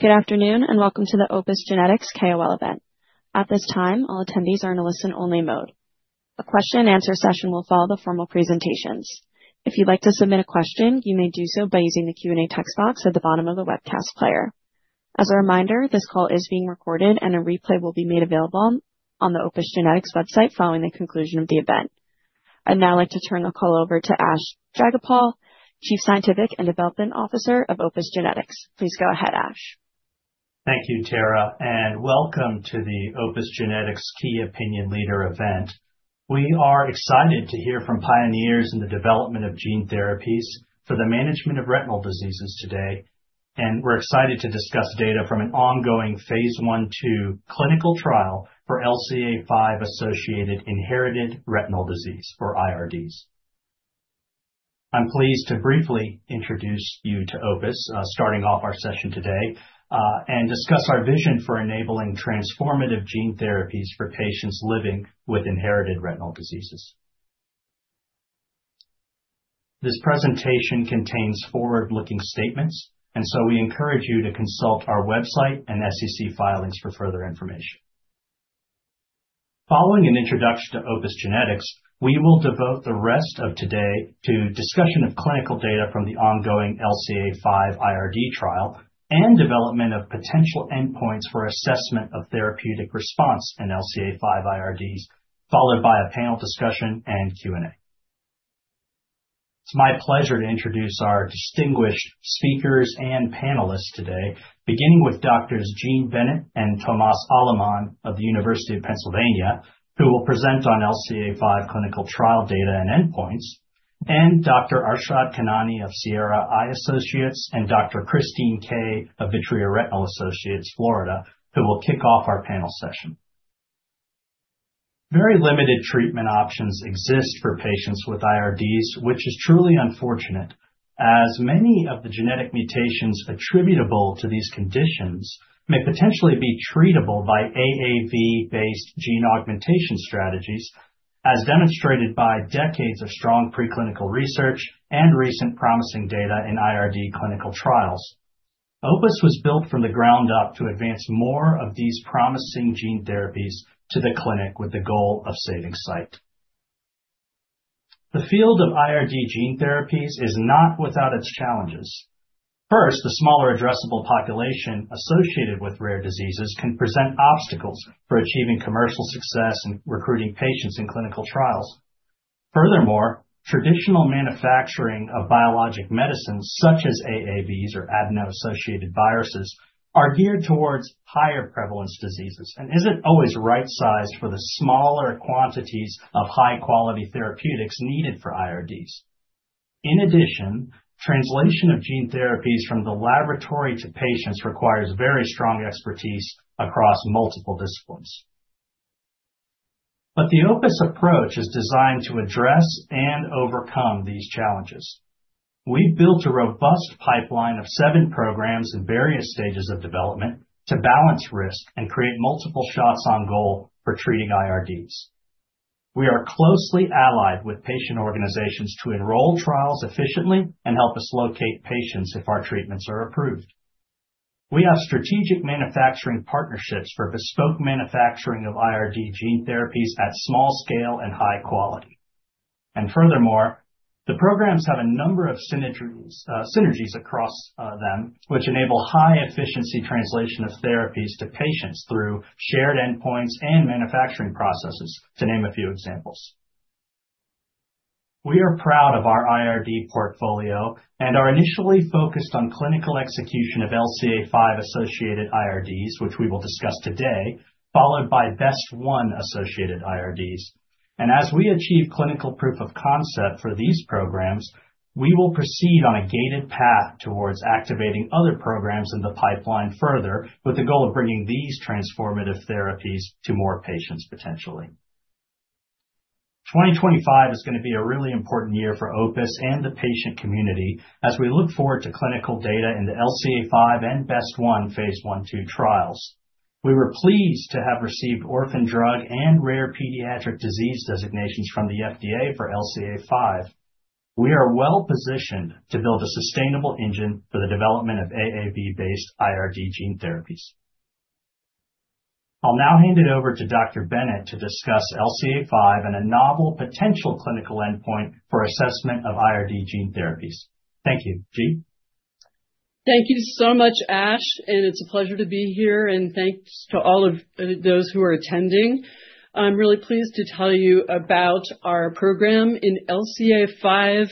Good afternoon, and welcome to the Opus Genetics KOL event. At this time, all attendees are in a listen-only mode. A question and answer session will follow the formal presentations. If you'd like to submit a question, you may do so by using the Q&A text box at the bottom of the webcast player. As a reminder, this call is being recorded and a replay will be made available on the Opus Genetics website following the conclusion of the event. I'd now like to turn the call over to Ash Jayagopal, Chief Scientific and Development Officer of Opus Genetics. Please go ahead, Ash. Thank you, Tara, and welcome to the Opus Genetics Key Opinion Leader event. We are excited to hear from pioneers in the development of gene therapies for the management of retinal diseases today. We're excited to discuss data from an ongoing phase I/II clinical trial for LCA5-associated inherited retinal disease, or IRDs. I'm pleased to briefly introduce you to Opus, starting off our session today, and discuss our vision for enabling transformative gene therapies for patients living with inherited retinal diseases. This presentation contains forward-looking statements, and so we encourage you to consult our website and SEC filings for further information. Following an introduction to Opus Genetics, we will devote the rest of today to discussion of clinical data from the ongoing LCA5 IRD trial and development of potential endpoints for assessment of therapeutic response in LCA5 IRDs, followed by a panel discussion and Q&A. It's my pleasure to introduce our distinguished speakers and panelists today, beginning with Doctors Jean Bennett and Tomás Aleman of the University of Pennsylvania, who will present on LCA5 clinical trial data and endpoints, and Dr. Arshad Khanani of Sierra Eye Associates and Dr. Christine Kay of Vitreoretinal Associates Florida, who will kick off our panel session. Very limited treatment options exist for patients with IRDs, which is truly unfortunate, as many of the genetic mutations attributable to these conditions may potentially be treatable by AAV-based gene augmentation strategies, as demonstrated by decades of strong preclinical research and recent promising data in IRD clinical trials. Opus was built from the ground up to advance more of these promising gene therapies to the clinic with the goal of saving sight. The field of IRD gene therapies is not without its challenges. First, the smaller addressable population associated with rare diseases can present obstacles for achieving commercial success and recruiting patients in clinical trials. Furthermore, traditional manufacturing of biologic medicines such as AAVs, or adeno-associated viruses, are geared towards higher prevalence diseases and isn't always right-sized for the smaller quantities of high-quality therapeutics needed for IRDs. In addition, translation of gene therapies from the laboratory to patients requires very strong expertise across multiple disciplines. The Opus approach is designed to address and overcome these challenges. We've built a robust pipeline of seven programs in various stages of development to balance risk and create multiple shots on goal for treating IRDs. We are closely allied with patient organizations to enroll trials efficiently and help us locate patients if our treatments are approved. We have strategic manufacturing partnerships for bespoke manufacturing of IRD gene therapies at small scale and high quality. Furthermore, the programs have a number of synergies across them, which enable high efficiency translation of therapies to patients through shared endpoints and manufacturing processes, to name a few examples. We are proud of our IRD portfolio and are initially focused on clinical execution of LCA5-associated IRDs, which we will discuss today, followed by BEST1 associated IRDs. As we achieve clinical proof of concept for these programs, we will proceed on a gated path towards activating other programs in the pipeline further, with the goal of bringing these transformative therapies to more patients potentially. 2025 is gonna be a really important year for Opus and the patient community as we look forward to clinical data in the LCA5 and BEST1 phase I/II trials. We were pleased to have received orphan drug and Rare Pediatric Disease designations from the FDA for LCA5. We are well positioned to build a sustainable engine for the development of AAV-based IRD gene therapies. I'll now hand it over to Dr. Bennett to discuss LCA5 and a novel potential clinical endpoint for assessment of IRD gene therapies. Thank you. Jean? Thank you so much, Ash, and it's a pleasure to be here, and thanks to all of those who are attending. I'm really pleased to tell you about our program in LCA5,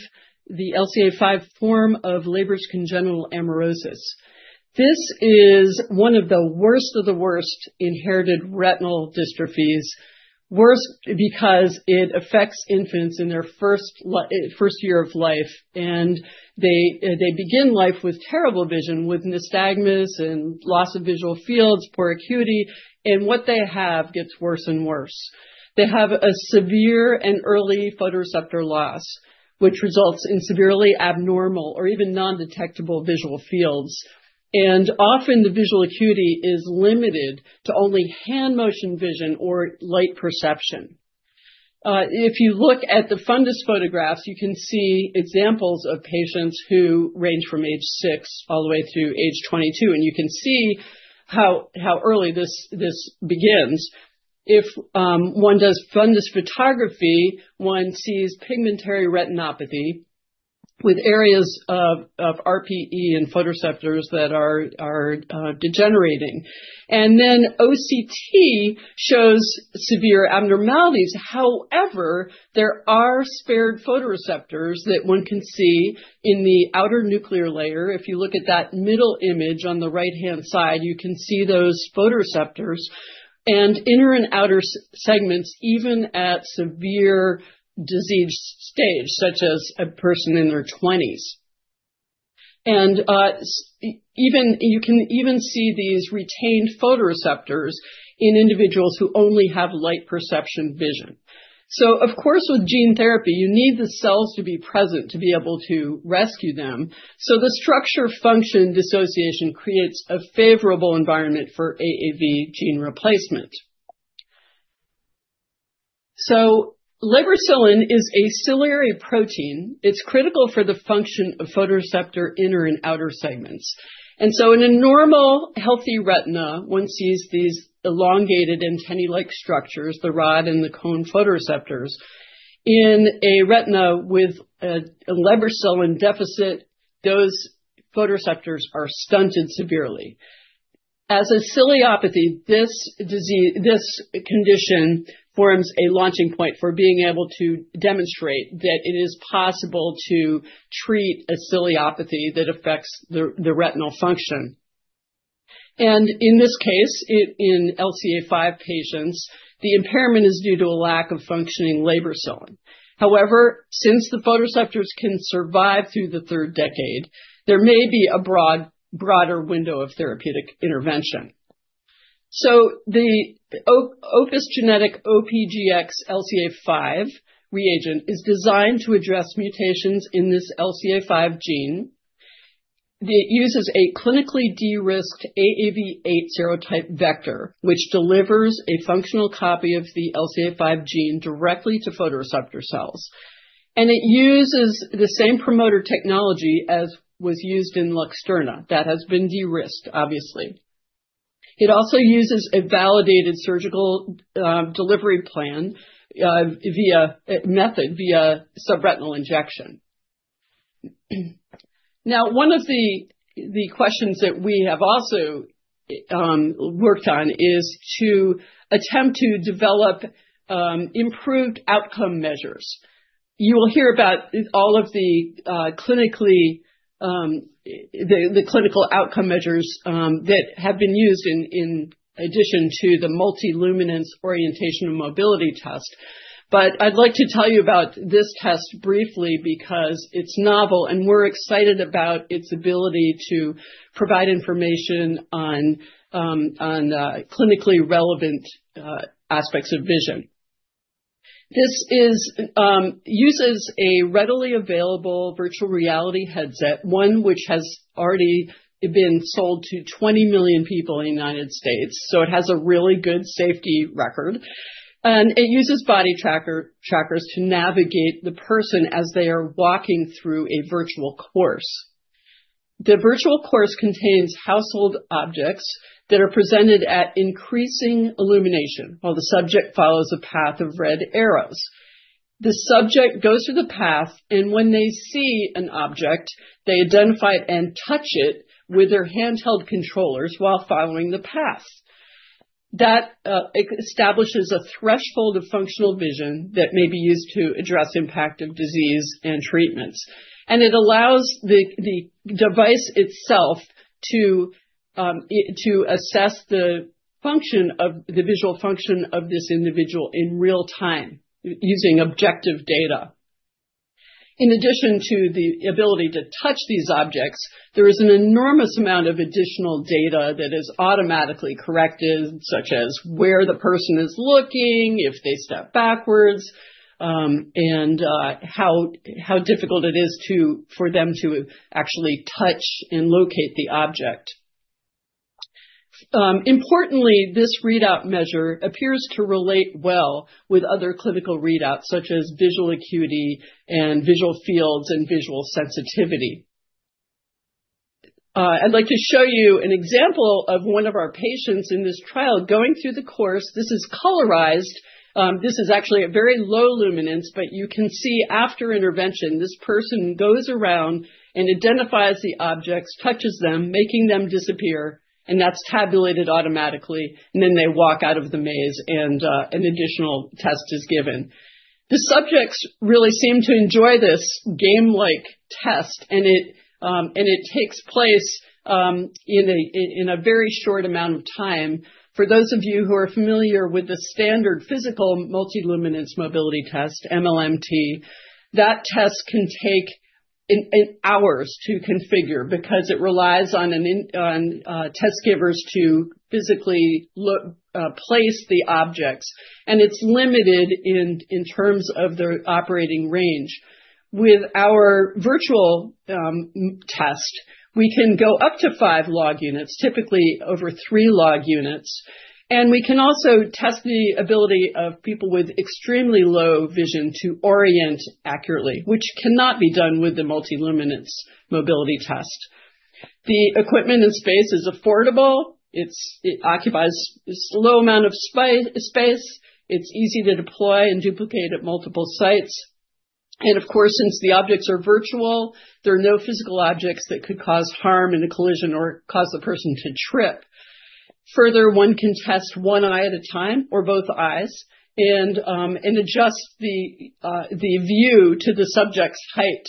the LCA5 form of Leber congenital amaurosis. This is one of the worst of the worst inherited retinal dystrophies. Worse because it affects infants in their first year of life, and they begin life with terrible vision, with nystagmus and loss of visual fields, poor acuity, and what they have gets worse and worse. They have a severe and early photoreceptor loss, which results in severely abnormal or even non-detectable visual fields. Often the visual acuity is limited to only hand motion vision or light perception. If you look at the fundus photographs, you can see examples of patients who range from age six all the way through age 22, and you can see how early this begins. If one does fundus photography, one sees pigmentary retinopathy with areas of RPE and photoreceptors that are degenerating. OCT shows severe abnormalities. However, there are spared photoreceptors that one can see in the outer nuclear layer. If you look at that middle image on the right-hand side, you can see those photoreceptors and inner and outer segments, even at severe disease stage, such as a person in their 20s. You can even see these retained photoreceptors in individuals who only have light perception vision. Of course, with gene therapy, you need the cells to be present to be able to rescue them. The structure function dissociation creates a favorable environment for AAV gene replacement. Lebercilin is a ciliary protein. It's critical for the function of photoreceptor inner and outer segments. In a normal, healthy retina, one sees these elongated antennae-like structures, the rod and the cone photoreceptors. In a retina with a Lebercilin deficit, those photoreceptors are stunted severely. As a ciliopathy, this condition forms a launching point for being able to demonstrate that it is possible to treat a ciliopathy that affects the retinal function. In this case, in LCA5 patients, the impairment is due to a lack of functioning Lebercilin. However, since the photoreceptors can survive through the third decade, there may be a broader window of therapeutic intervention. The Opus Genetics OPGx-LCA5 reagent is designed to address mutations in this LCA5 gene. It uses a clinically de-risked AAV8 serotype vector, which delivers a functional copy of the LCA5 gene directly to photoreceptor cells. It uses the same promoter technology as was used in Luxturna. That has been de-risked, obviously. It also uses a validated surgical delivery plan via a method, via subretinal injection. Now, one of the questions that we have also worked on is to attempt to develop improved outcome measures. You will hear about all of the clinical outcome measures that have been used in addition to the multi-luminance orientation and mobility test. I'd like to tell you about this test briefly because it's novel and we're excited about its ability to provide information on clinically relevant aspects of vision. This uses a readily available virtual reality headset, one which has already been sold to 20 million people in the United States. It has a really good safety record, and it uses body trackers to navigate the person as they are walking through a virtual course. The virtual course contains household objects that are presented at increasing illumination while the subject follows a path of red arrows. The subject goes through the path, and when they see an object, they identify it and touch it with their handheld controllers while following the path. That establishes a threshold of functional vision that may be used to address impact of disease and treatments. It allows the device itself to assess the visual function of this individual in real time using objective data. In addition to the ability to touch these objects, there is an enormous amount of additional data that is automatically collected, such as where the person is looking, if they step backwards, and how difficult it is for them to actually touch and locate the object. Importantly, this readout measure appears to relate well with other clinical readouts, such as visual acuity and visual fields and visual sensitivity. I'd like to show you an example of one of our patients in this trial going through the course. This is colorized. This is actually a very low luminance, but you can see after intervention, this person goes around and identifies the objects, touches them, making them disappear, and that's tabulated automatically, and then they walk out of the maze, and an additional test is given. The subjects really seem to enjoy this game-like test, and it takes place in a very short amount of time. For those of you who are familiar Multi-Luminance Mobility Test, MLMT, that test can take hours to configure because it relies on test givers to physically place the objects, and it's limited in terms of their operating range. With our virtual test, we can go up to five log units, typically over three log units. We can also test the ability of people with extremely low vision to orient accurately, which cannot be done Multi-Luminance Mobility Test. the equipment and space is affordable. It occupies this low amount of space. It's easy to deploy and duplicate at multiple sites. Of course, since the objects are virtual, there are no physical objects that could cause harm in a collision or cause a person to trip. Further, one can test one eye at a time or both eyes and adjust the view to the subject's height.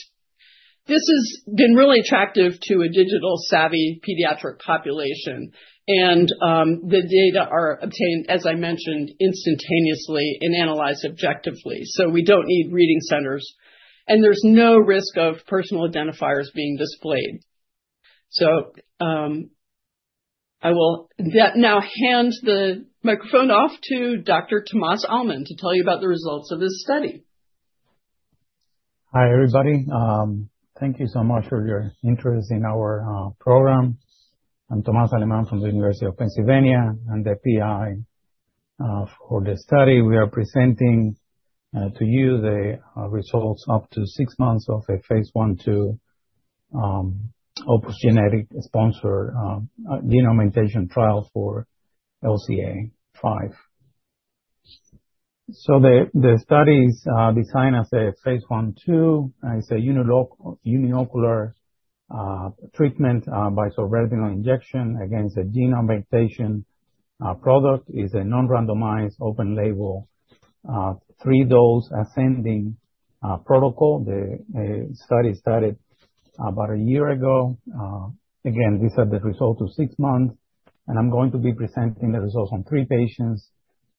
This has been really attractive to a digital-savvy pediatric population, and the data are obtained, as I mentioned, instantaneously and analyzed objectively. We don't need reading centers, and there's no risk of personal identifiers being displayed. I will now hand the microphone off to Dr. Tomás Aleman to tell you about the results of his study. Hi, everybody. Thank you so much for your interest in our program. I'm Tomás Aleman from the University of Pennsylvania. I'm the PI for the study. We are presenting to you the results up to six months of a phase I/II, Opus Genetics-sponsored gene augmentation trial for LCA5. The study is designed as a phase I/II, as a uniocular treatment by subretinal injection against a gene augmentation product. It's a non-randomized, open label, three dose ascending protocol. The study started about a year ago. Again, these are the results of six months, and I'm going to be presenting the results on three patients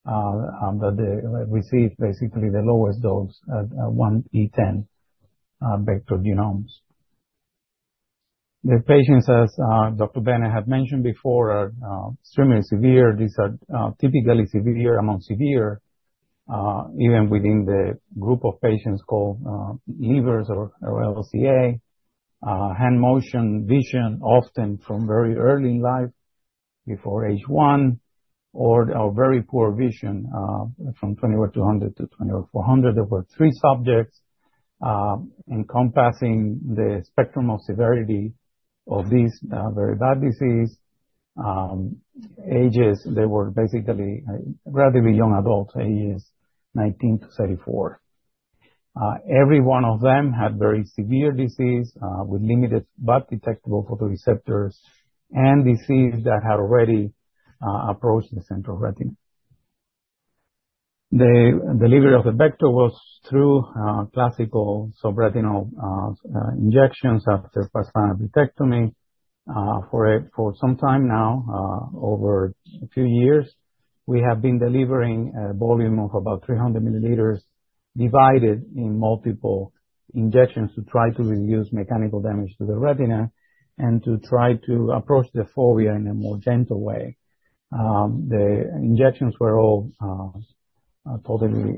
that received basically the lowest dose at 1E10 vector genomes. The patients, as Dr. Bennett had mentioned before, are extremely severe. These are typically severe among severe, even within the group of patients called Leber's or LCA. Hand motion vision, often from very early in life, before age one, or very poor vision, from 20/200-20/400, over three subjects, encompassing the spectrum of severity of this very bad disease. Ages, they were basically relatively young adults, ages 19-34. Every one of them had very severe disease, with limited but detectable photoreceptors and disease that had already approached the central retina. The delivery of the vector was through classical subretinal injections after pars plana vitrectomy. For some time now, over a few years, we have been delivering a volume of about 300 mL divided in multiple injections to try to reduce mechanical damage to the retina and to try to approach the fovea in a more gentle way. The injections were all totally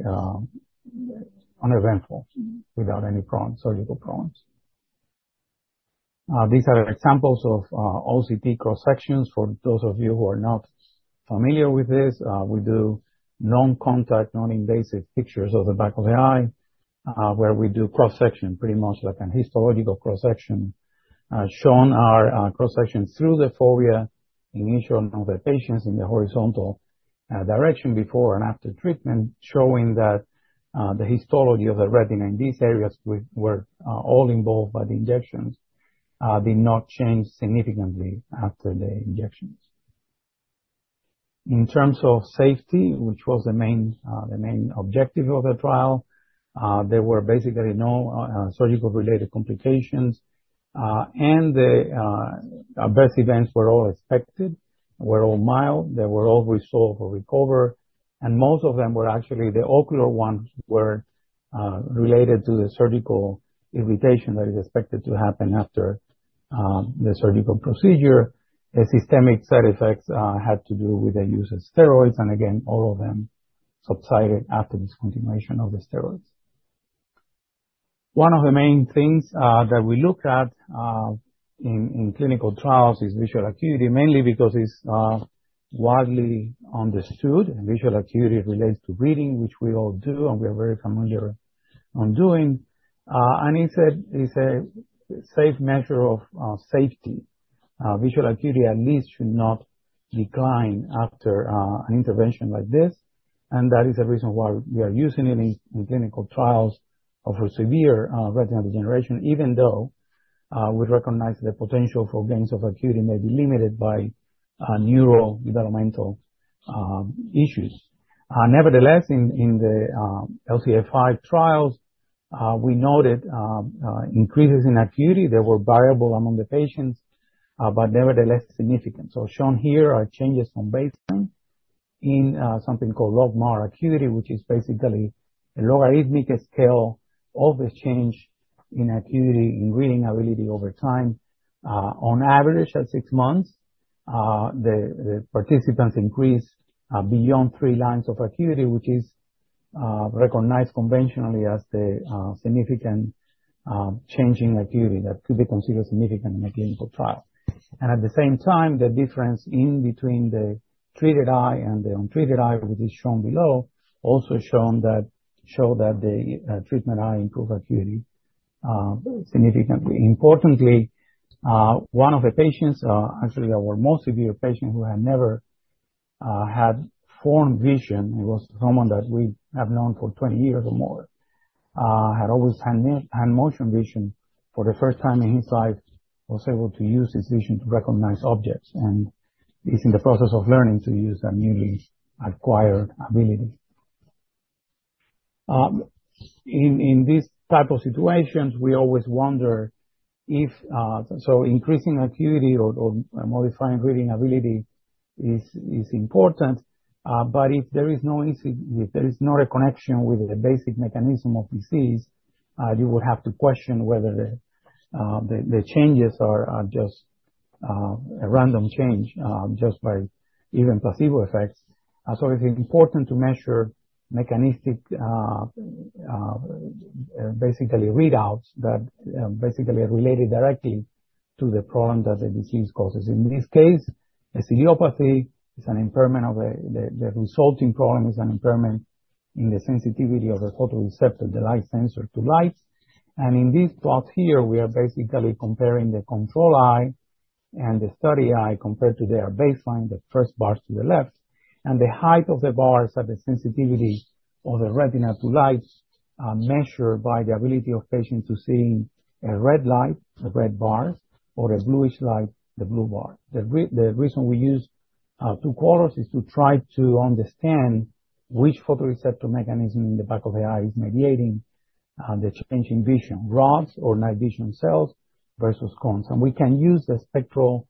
uneventful, without any surgical problems. These are examples of OCT cross-sections. For those of you who are not familiar with this, we do non-contact, non-invasive pictures of the back of the eye, where we do cross-section, pretty much like a histological cross-section. Shown are cross-sections through the fovea in each of the patients in the horizontal direction before and after treatment, showing that the histology of the retina in these areas were all involved by the injections, did not change significantly after the injections. In terms of safety, which was the main objective of the trial, there were basically no surgical-related complications. The adverse events were all expected, were all mild, they were all resolvable, recovered, and most of them were actually the ocular ones were related to the surgical irritation that is expected to happen after the surgical procedure. The systemic side effects had to do with the use of steroids, and again, all of them subsided after discontinuation of the steroids. One of the main things that we look at in clinical trials is visual acuity, mainly because it's widely understood. Visual acuity relates to reading, which we all do and we are very familiar with doing. It's a safe measure of safety. Visual acuity at least should not decline after an intervention like this, and that is the reason why we are using it in clinical trials for severe retinal degeneration, even though we recognize the potential for gains of acuity may be limited by neural developmental issues. Nevertheless, in the LCA5 trials, we noted increases in acuity that were variable among the patients, but nevertheless significant. Shown here are changes from baseline in something called logMAR acuity, which is basically a logarithmic scale of the change in acuity in reading ability over time. On average, at six months, the participants increased beyond three lines of acuity, which is recognized conventionally as the significant change in acuity that could be considered significant in a clinical trial. At the same time, the difference between the treated eye and the untreated eye, which is shown below, also shows that the treatment eye improved acuity significantly. Importantly, one of the patients, actually our most severe patient who had never had formed vision, it was someone that we have known for 20 years or more, had always had hand motion vision, for the first time in his life, was able to use his vision to recognize objects and is in the process of learning to use that newly acquired ability. In these type of situations, we always wonder if increasing acuity or modifying reading ability is important. If there is not a connection with the basic mechanism of disease, you would have to question whether the changes are just a random change, just by even placebo effects. It's important to measure mechanistic, basically readouts that basically are related directly to the problem that the disease causes. In this case, a ciliopathy is an impairment in the sensitivity of the photoreceptor, the light sensor to lights. In this plot here, we are basically comparing the control eye and the study eye compared to their baseline, the first bars to the left. The height of the bars are the sensitivity of the retina to lights, measured by the ability of patients who see a red light, the red bars, or a bluish light, the blue bar. The reason we use two colors is to try to understand which photoreceptor mechanism in the back of the eye is mediating the change in vision, rods or night vision cells versus cones. We can use the spectral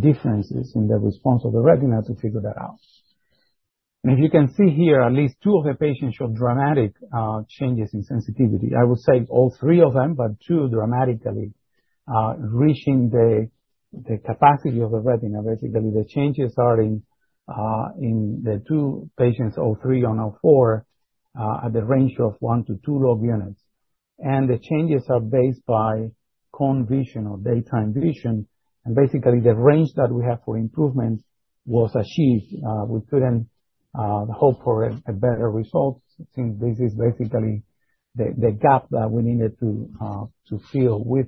differences in the response of the retina to figure that out. If you can see here, at least two of the patients showed dramatic changes in sensitivity. I would say all three of them, but two dramatically, reaching the capacity of the retina. Basically, the changes are in the two patients, O3 and O4, at the range of 1–2 logMAR units. The changes are based by cone vision or daytime vision. Basically, the range that we have for improvements was achieved. We couldn't hope for a better result since this is basically the gap that we needed to fill with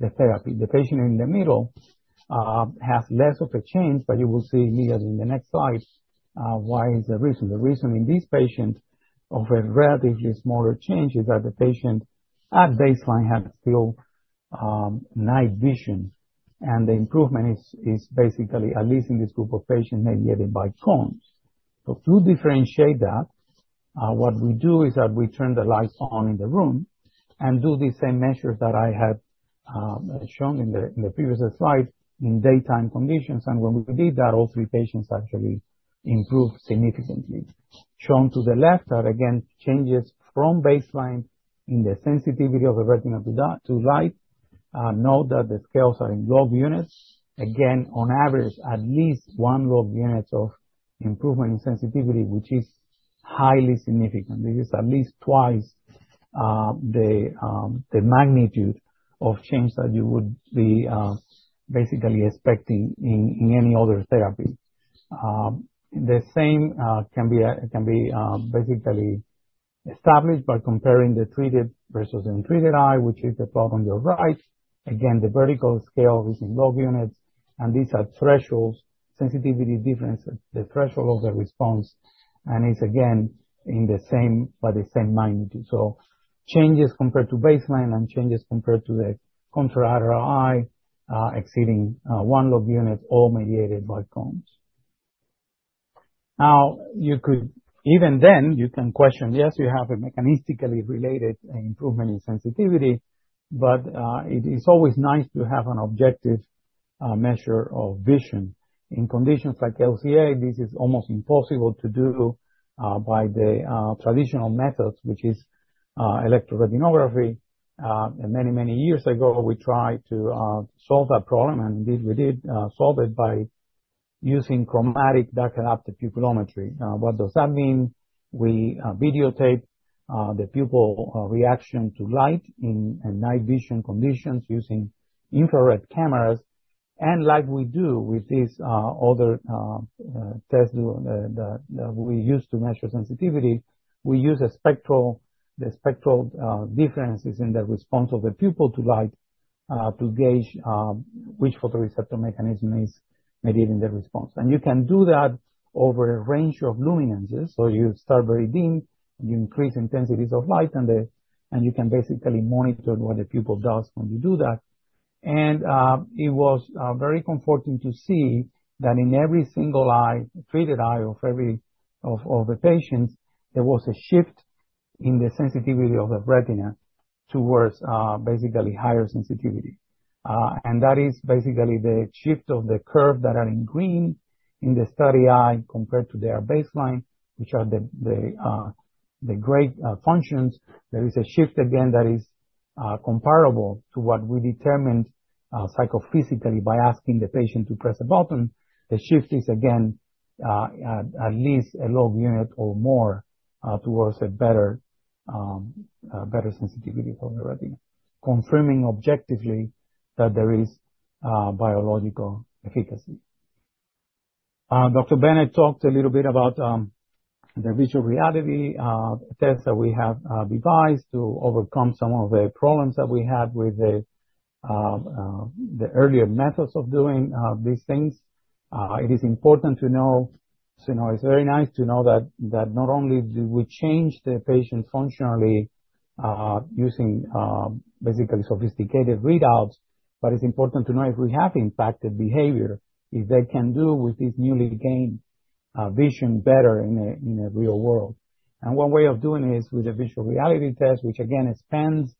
the therapy. The patient in the middle has less of a change, but you will see here in the next slide what is the reason. The reason in this patient of a relatively smaller change is that the patient at baseline had still night vision, and the improvement is basically, at least in this group of patients, mediated by cones. To differentiate that, what we do is that we turn the lights on in the room and do the same measures that I had shown in the previous slide in daytime conditions. When we did that, all three patients actually improved significantly. Shown to the left are, again, changes from baseline in the sensitivity of the retina to light. Note that the scales are in log units. Again, on average, at least one log unit of improvement in sensitivity, which is highly significant. This is at least twice the magnitude of change that you would be basically expecting in any other therapy. The same can be basically established by comparing the treated versus untreated eye, which is the plot on the right. Again, the vertical scale is in log units, and these are thresholds, sensitivity differences, the threshold of the response, and it's again by the same magnitude. Changes compared to baseline and changes compared to the contralateral eye exceeding 1 logMAR unit, all mediated by cones. Now, even then, you can question, yes, you have a mechanistically related improvement in sensitivity, but it is always nice to have an objective measure of vision. In conditions like LCA, this is almost impossible to do by the traditional methods, which is electroretinography. Many, many years ago, we tried to solve that problem, and we did solve it by using chromatic dark-adapted pupillometry. What does that mean? We videotape the pupil reaction to light in night vision conditions using infrared cameras. Like we do with these other tests that we use to measure sensitivity, we use the spectral differences in the response of the pupil to light, to gauge which photoreceptor mechanism is mediating the response. You can do that over a range of luminances. You start very dim, and you increase intensities of light, and you can basically monitor what the pupil does when you do that. It was very comforting to see that in every single treated eye of the patients, there was a shift in the sensitivity of the retina towards basically higher sensitivity. That is basically the shift of the curve that are in green in the study eye compared to their baseline, which are the gray functions. There is a shift, again, that is comparable to what we determined psychophysically by asking the patient to press a button. The shift is, again, at least a log unit or more towards a better sensitivity for the retina, confirming objectively that there is biological efficacy. Dr. Bennett talked a little bit about the virtual reality test that we have devised to overcome some of the problems that we had with the earlier methods of doing these things. It is important to know, it's very nice to know that not only do we change the patient functionally using basically sophisticated readouts, but it's important to know if we have impacted behavior, if they can do with this newly gained vision better in a real world. One way of doing it is with a virtual reality test, which again extends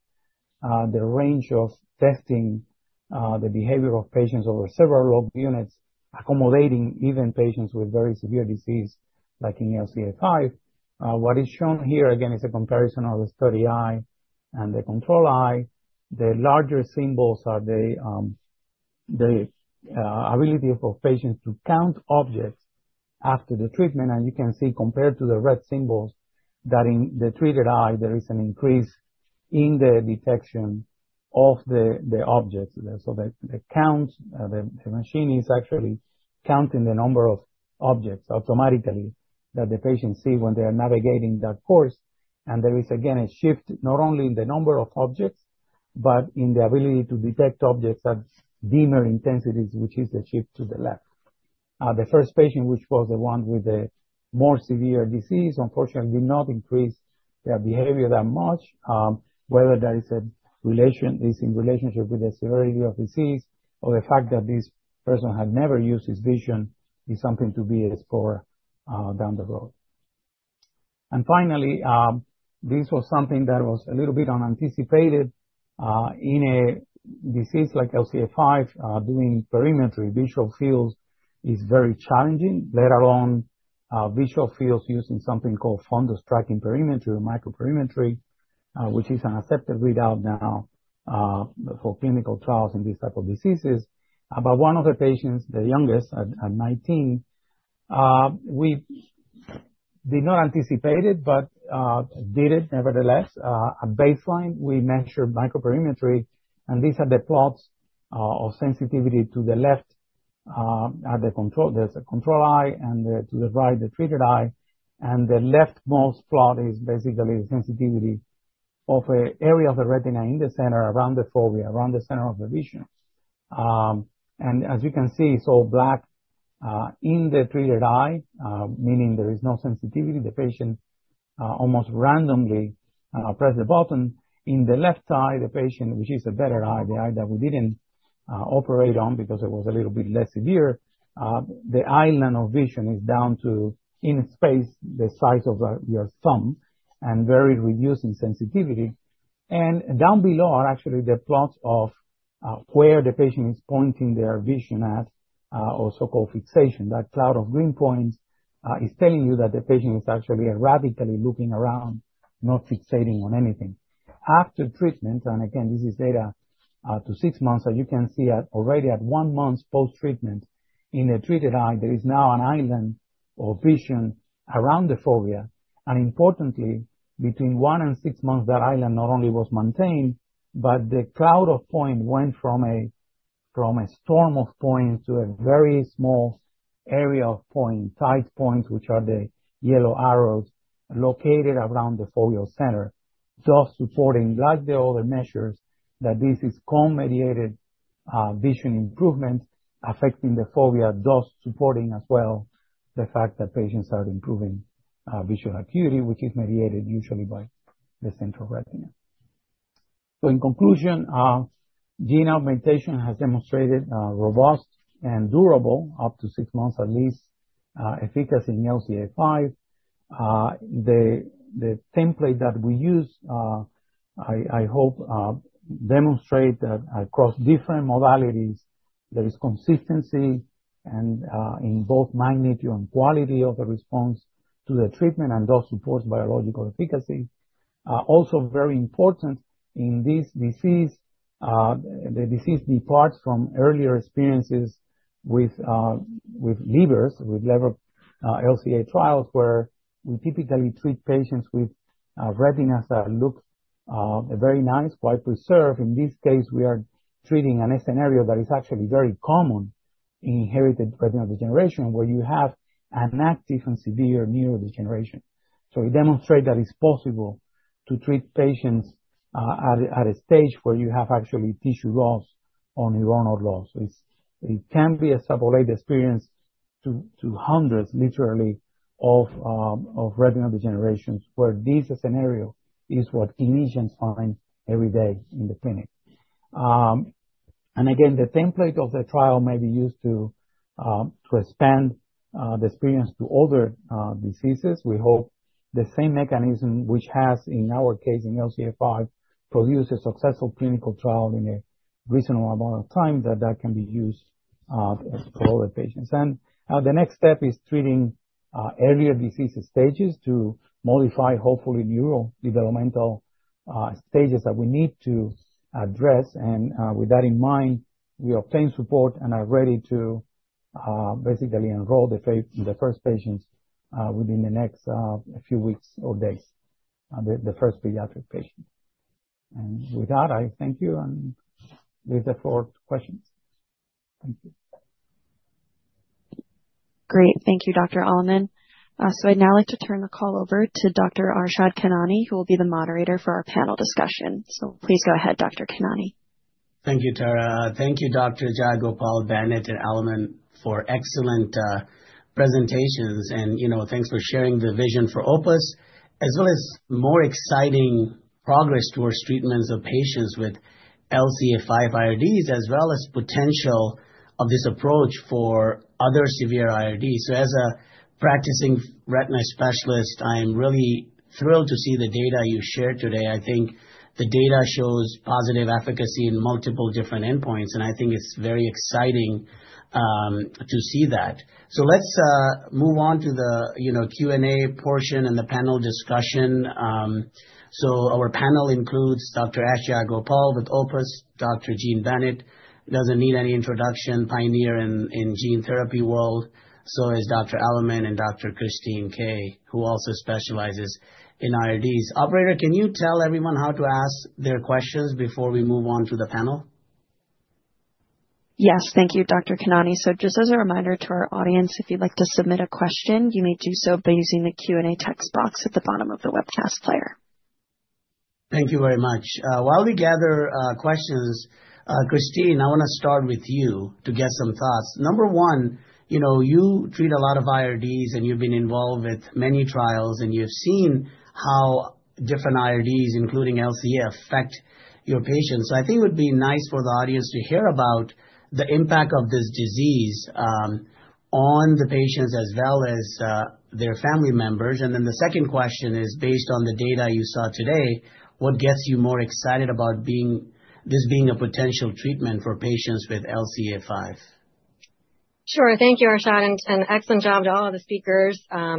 the range of testing the behavior of patients over several log units, accommodating even patients with very severe disease, like in LCA5. What is shown here, again, is a comparison of the study eye and the control eye. The larger symbols are the ability of a patient to count objects after the treatment. You can see compared to the red symbols, that in the treated eye, there is an increase in the detection of the objects. The count, the machine is actually counting the number of objects automatically that the patient see when they are navigating that course. There is, again, a shift not only in the number of objects, but in the ability to detect objects at dimmer intensities, which is the shift to the left. The first patient, which was the one with the more severe disease, unfortunately did not increase their behavior that much. Whether that is in relationship with the severity of disease or the fact that this person had never used his vision is something to be explored down the road. Finally, this was something that was a little bit unanticipated. In a disease like LCA5, doing perimetry visual fields is very challenging. Let alone visual fields using something called fundus tracking perimetry or microperimetry, which is an accepted readout now for clinical trials in these type of diseases. One of the patients, the youngest at 19, we did not anticipate it, but did it nevertheless. At baseline, we measured microperimetry, and these are the plots of sensitivity to the left are the control. There's a control eye, and to the right, the treated eye, and the leftmost plot is basically the sensitivity of an area of the retina in the center around the fovea, around the center of the vision. As you can see, it's all black in the treated eye, meaning there is no sensitivity. The patient almost randomly press the button. In the left eye of the patient, which is a better eye, the eye that we didn't operate on because it was a little bit less severe, the island of vision is down to in space the size of your thumb and very reduced in sensitivity. Down below are actually the plots of where the patient is pointing their vision at, or so-called fixation. That cloud of green points is telling you that the patient is actually erratically looking around, not fixating on anything. After treatment, and again, this is data up to six months, and you can see already at one month post-treatment in the treated eye, there is now an island of vision around the fovea. Importantly, between one and six months, that island not only was maintained, but the cloud of points went from a storm of points to a very small area of points, tight points, which are the yellow arrows located around the foveal center, just supporting, like the other measures, that this is cone-mediated vision improvement affecting the fovea, thus supporting as well the fact that patients are improving visual acuity, which is mediated usually by the central retina. In conclusion, gene augmentation has demonstrated robust and durable, up to six months at least, efficacy in LCA5. The template that we use, I hope, demonstrate that across different modalities, there is consistency and in both magnitude and quality of the response to the treatment, and those support biological efficacy. Also very important in this disease, the disease departs from earlier experiences with Leber's, with Leber LCA trials, where we typically treat patients with retinas that look very nice, quite preserved. In this case, we are treating a scenario that is actually very common in inherited retinal degeneration, where you have an active and severe neurodegeneration. We demonstrate that it's possible to treat patients at a stage where you have actually tissue loss or neuronal loss. It can be a salutary experience to hundreds, literally, of retinal degenerations, where this scenario is what clinicians find every day in the clinic. Again, the template of the trial may be used to expand the experience to other diseases. We hope the same mechanism which has, in our case in LCA5, produced a successful clinical trial in a reasonable amount of time that can be used for other patients. The next step is treating earlier disease stages to modify, hopefully, neurodevelopmental stages that we need to address. With that in mind, we obtained support and are ready to basically enroll the first patients within the next few weeks or days, the first pediatric patient. With that, I thank you and leave the floor to questions. Thank you. Great. Thank you, Dr. Aleman. I'd now like to turn the call over to Dr. Arshad Khanani, who will be the moderator for our panel discussion. Please go ahead, Dr. Khanani. Thank you, Tara. Thank you, Dr. Jayagopal, Bennett, and Aleman for excellent presentations. Thanks for sharing the vision for Opus, as well as more exciting progress towards treatments of patients with LCA5 IRDs, as well as potential of this approach for other severe IRDs. As a practicing retina specialist, I am really thrilled to see the data you shared today. I think the data shows positive efficacy in multiple different endpoints, and I think it's very exciting to see that. Let's move on to the Q&A portion and the panel discussion. Our panel includes Dr. Ash Jayagopal with Opus, Dr. Jean Bennett, doesn't need any introduction, pioneer in gene therapy world. Dr. Aleman and Dr. Christine Kay, who also specializes in IRDs. Operator, can you tell everyone how to ask their questions before we move on to the panel? Yes. Thank you, Dr. Khanani. Just as a reminder to our audience, if you'd like to submit a question, you may do so by using the Q&A text box at the bottom of the webcast player. Thank you very much. While we gather questions, Christine, I want to start with you to get some thoughts. Number one, you treat a lot of IRDs, and you've been involved with many trials, and you've seen how different IRDs, including LCA, affect your patients. I think it would be nice for the audience to hear about the impact of this disease on the patients as well as their family members. The second question is, based on the data you saw today, what gets you more excited about this being a potential treatment for patients with LCA5? Sure. Thank you, Arshad, and excellent job to all of the speakers. I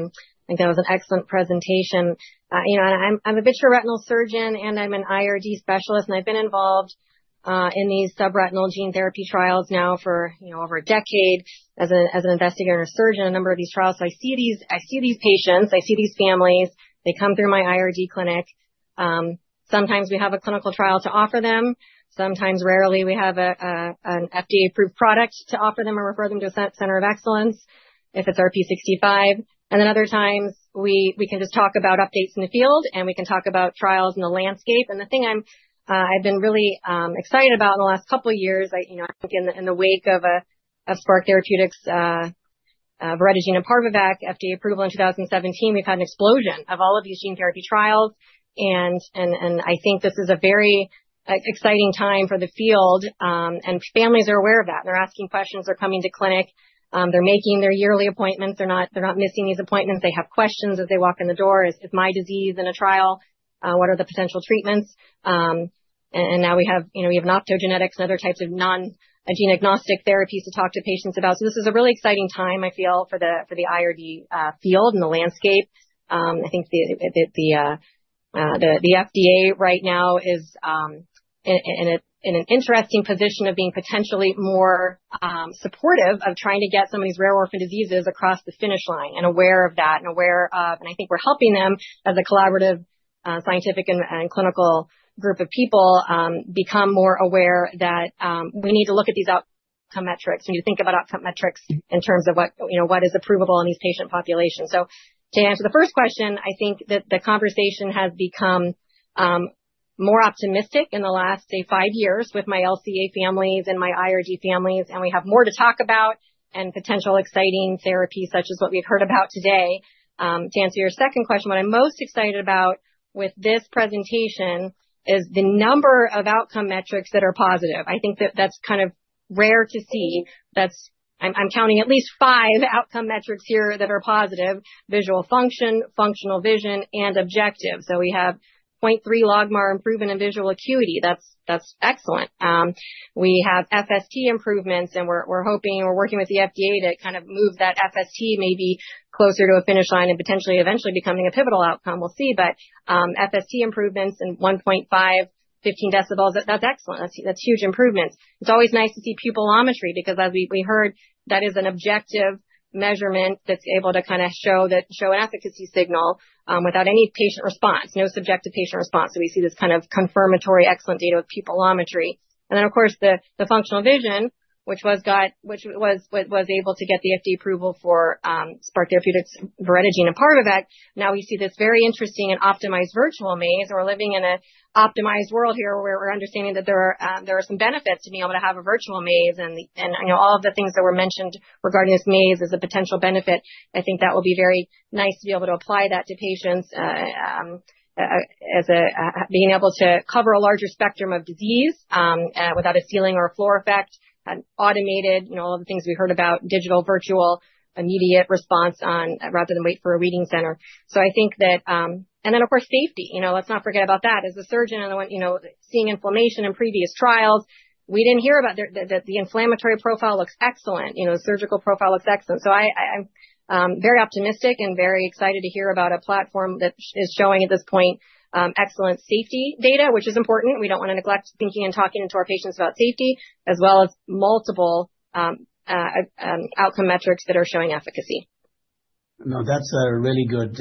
think that was an excellent presentation. I'm a vitreoretinal surgeon, and I'm an IRD specialist, and I've been involved in these subretinal gene therapy trials now for over a decade as an investigator and a surgeon in a number of these trials. I see these patients, I see these families. They come through my IRD clinic. Sometimes we have a clinical trial to offer them. Sometimes, rarely, we have an FDA-approved product to offer them or refer them to a center of excellence if it's RPE65. Other times, we can just talk about updates in the field, and we can talk about trials in the landscape. The thing I've been really excited about in the last couple of years, I think in the wake of Spark Therapeutics' voretigene neparvovec FDA approval in 2017, we've had an explosion of all of these gene therapy trials, and I think this is a very exciting time for the field. Families are aware of that. They're asking questions, they're coming to clinic, they're making their yearly appointments. They're not missing these appointments. They have questions as they walk in the door. "Is my disease in a trial? What are the potential treatments?" Now we have optogenetics and other types of non-gene-agnostic therapies to talk to patients about. This is a really exciting time, I feel, for the IRD field and the landscape. I think the FDA right now is in an interesting position of being potentially more supportive of trying to get some of these rare orphan diseases across the finish line and aware of that, and I think we're helping them as a collaborative scientific and clinical group of people, become more aware that we need to look at these outcome metrics when you think about outcome metrics in terms of what is approvable in these patient populations. To answer the first question, I think that the conversation has become more optimistic in the last, say, five years with my LCA families and my IRD families, and we have more to talk about and potential exciting therapies such as what we've heard about today. To answer your second question, what I'm most excited about with this presentation is the number of outcome metrics that are positive. I think that's kind of rare to see. I'm counting at least five outcome metrics here that are positive: visual function, functional vision, and objective. We have 0.3 logMAR improvement in visual acuity. That's excellent. We have FST improvements, and we're hoping, we're working with the FDA to kind of move that FST maybe closer to a finish line and potentially eventually becoming a pivotal outcome. We'll see. FST improvements in 1.5 dB, 15 dB, that's excellent. That's huge improvements. It's always nice to see pupillometry, because as we heard, that is an objective measurement that's able to show an efficacy signal without any patient response, no subjective patient response. We see this kind of confirmatory excellent data with pupillometry. Then, of course, the functional vision, which was able to get the FDA approval for Spark Therapeutics' voretigene neparvovec. Now we see this very interesting and optimized virtual maze, and we're living in an optimized world here, where we're understanding that there are some benefits to being able to have a virtual maze, and all of the things that were mentioned regarding this maze as a potential benefit. I think that will be very nice to be able to apply that to patients, being able to cover a larger spectrum of disease without a ceiling or a floor effect, automated, all of the things we heard about, digital, virtual, immediate response rather than wait for a reading center. I think that, and then, of course, safety. Let's not forget about that. As a surgeon and seeing inflammation in previous trials we didn't hear about, that the inflammatory profile looks excellent, surgical profile looks excellent. I'm very optimistic and very excited to hear about a platform that is showing, at this point, excellent safety data, which is important. We don't want to neglect thinking and talking to our patients about safety as well as multiple outcome metrics that are showing efficacy. No, that's a really good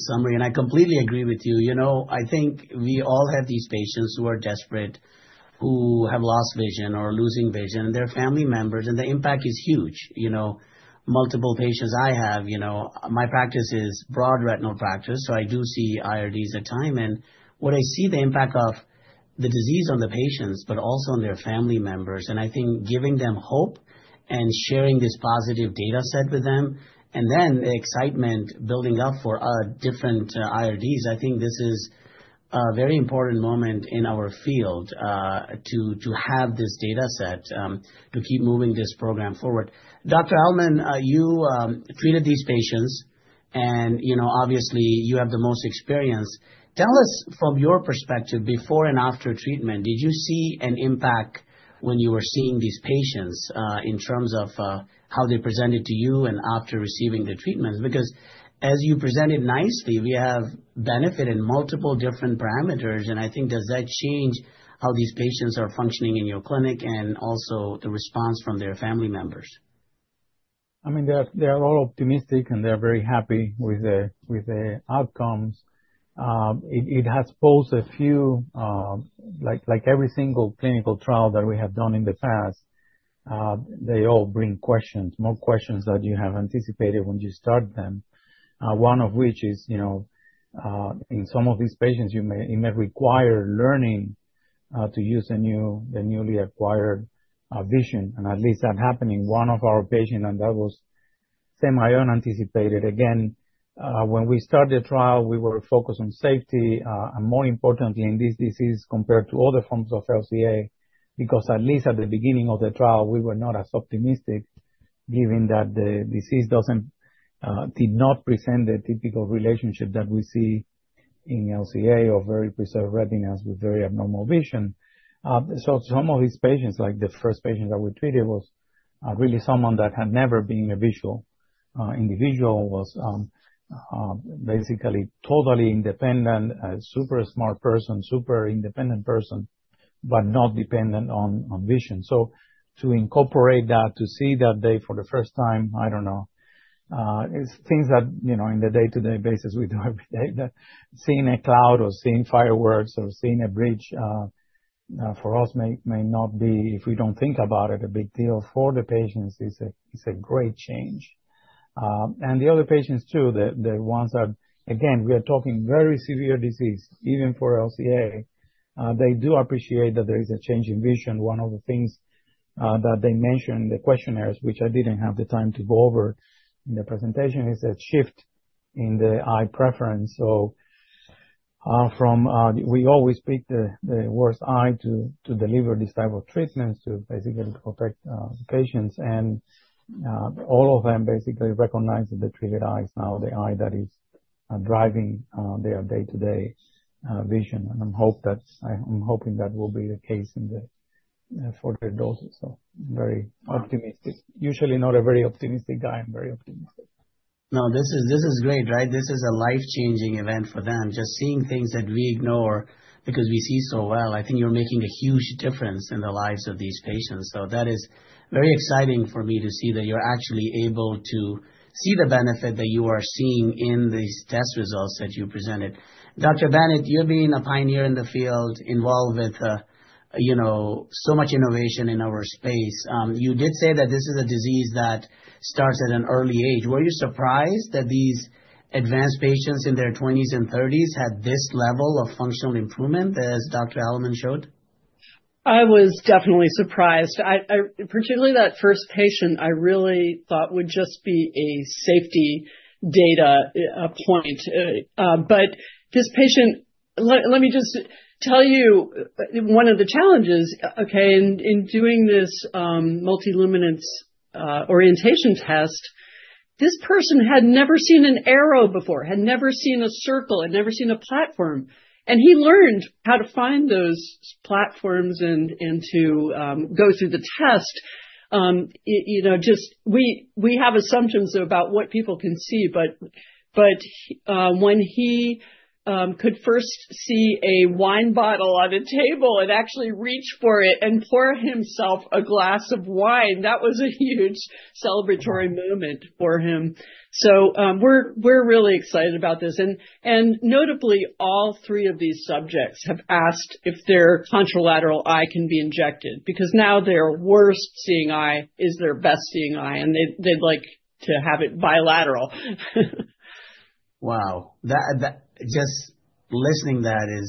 summary, and I completely agree with you. I think we all have these patients who are desperate, who have lost vision or are losing vision, and their family members, and the impact is huge. Multiple patients I have, my practice is broad retinal practice, so I do see IRDs at times, and what I see the impact of the disease on the patients, but also on their family members. I think giving them hope and sharing this positive data set with them, and then the excitement building up for different IRDs, I think this is a very important moment in our field, to have this data set to keep moving this program forward. Dr. Aleman, you treated these patients and obviously you have the most experience. Tell us from your perspective, before and after treatment, did you see an impact when you were seeing these patients, in terms of how they presented to you and after receiving the treatments? Because as you presented nicely, we have benefit in multiple different parameters, and I think, does that change how these patients are functioning in your clinic and also the response from their family members? They are all optimistic, and they are very happy with the outcomes. It has posed, like every single clinical trial that we have done in the past, they all bring questions, more questions than you have anticipated when you start them. One of which is, in some of these patients, you may require learning to use the newly acquired vision, and at least that happened in one of our patients, and that was semi-unanticipated. Again, when we started the trial, we were focused on safety, and more importantly in this disease, compared to other forms of LCA, because at least at the beginning of the trial, we were not as optimistic given that the disease did not present the typical relationship that we see in LCA or very preserved retinas with very abnormal vision. Some of these patients, like the first patient that we treated, was really someone that had never been a visual individual, was basically totally independent, a super smart person, super independent person, but not dependent on vision. To incorporate that, to see that day for the first time, I don't know. It's things that in the day-to-day basis we do every day, but seeing a cloud or seeing fireworks or seeing a bridge, for us may not be, if we don't think about it, a big deal. For the patients, it's a great change. The other patients, too, the ones that, again, we are talking very severe disease, even for LCA. They do appreciate that there is a change in vision. One of the things that they mention in the questionnaires, which I didn't have the time to go over in the presentation, is a shift in the eye preference. From, we always pick the worst eye to deliver this type of treatments to basically to protect patients and all of them basically recognize that the treated eye is now the eye that is driving their day-to-day vision. I'm hoping that will be the case for the doses. I'm very optimistic. Usually not a very optimistic guy. I'm very optimistic. No, this is great. This is a life-changing event for them. Just seeing things that we ignore because we see so well. I think you're making a huge difference in the lives of these patients. That is very exciting for me to see that you're actually able to see the benefit that you are seeing in these test results that you presented. Dr. Bennett, you being a pioneer in the field involved with so much innovation in our space. You did say that this is a disease that starts at an early age. Were you surprised that these advanced patients in their 20s and 30s had this level of functional improvement, as Dr. Alemán showed? I was definitely surprised. Particularly that first patient, I really thought would just be a safety data point. This patient, let me just tell you one of the challenges, okay, in Multi-Luminance Orientation Test. this person had never seen an arrow before, had never seen a circle, had never seen a platform. He learned how to find those platforms and to go through the test. We have assumptions about what people can see, but when he could first see a wine bottle on a table and actually reach for it and pour himself a glass of wine, that was a huge celebratory moment for him. We're really excited about this. Notably, all three of these subjects have asked if their contralateral eye can be injected, because now their worst seeing eye is their best seeing eye, and they'd like to have it bilateral. Wow. Just listening to that,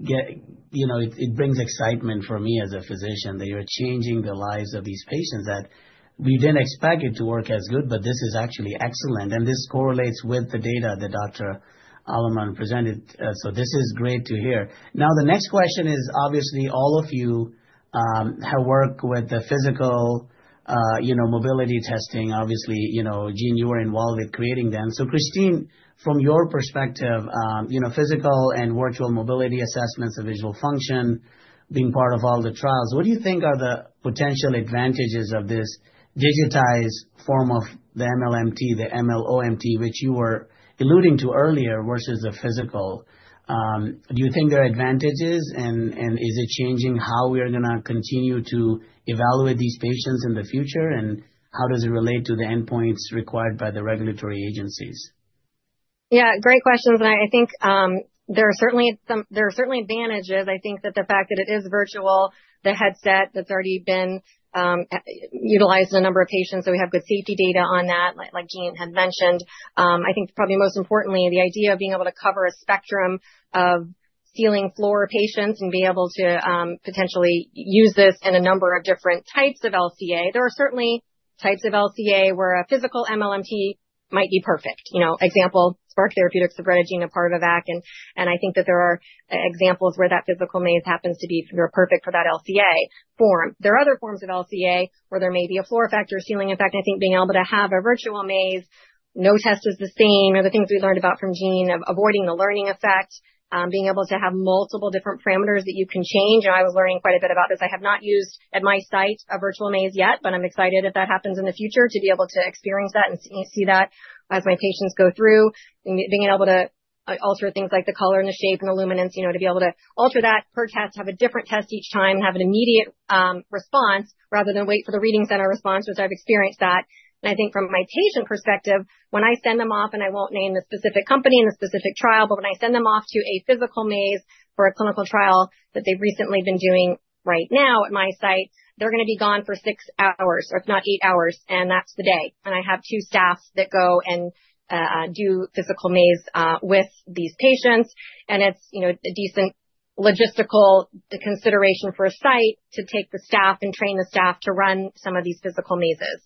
it brings excitement for me as a physician, that you're changing the lives of these patients, that we didn't expect it to work as good, but this is actually excellent. This correlates with the data that Dr. Aleman presented. This is great to hear. Now, the next question is, obviously, all of you have worked with the physical mobility testing. Obviously, Jean, you were involved with creating them. Christine, from your perspective, physical and virtual mobility assessments of visual function being part of all the trials, what do you think are the potential advantages of this digitized form of the MLMT, the MLOMT, which you were alluding to earlier, versus the physical? Do you think there are advantages, and is it changing how we are going to continue to evaluate these patients in the future? How does it relate to the endpoints required by the regulatory agencies? Yeah, great questions. I think there are certainly advantages. I think that the fact that it is virtual, the headset that's already been utilized in a number of patients, so we have good safety data on that, like Jean had mentioned. I think probably most importantly, the idea of being able to cover a spectrum of ceiling-floor patients and be able to potentially use this in a number of different types of LCA. There are certainly types of LCA where a physical MLMT might be perfect. Example, Spark Therapeutics with voretigene neparvovec, and I think that there are examples where that physical maze happens to be perfect for that LCA form. There are other forms of LCA where there may be a floor effect or a ceiling effect, and I think being able to have a virtual maze. No test is the same, or the things we learned about from Jean of avoiding the learning effect, being able to have multiple different parameters that you can change. I was learning quite a bit about this. I have not used, at my site, a virtual maze yet, but I'm excited if that happens in the future to be able to experience that and see that as my patients go through. Being able to alter things like the color and the shape and illuminance, to be able to alter that per test, have a different test each time, have an immediate response rather than wait for the reading center response, which I've experienced that. I think from my patient perspective, when I send them off, and I won't name the specific company and the specific trial, but when I send them off to a physical maze for a clinical trial that they've recently been doing right now at my site, they're gonna be gone for six hours, if not eight hours, and that's the day. I have two staffs that go and do physical maze with these patients. It's a decent logistical consideration for a site to take the staff and train the staff to run some of these physical mazes.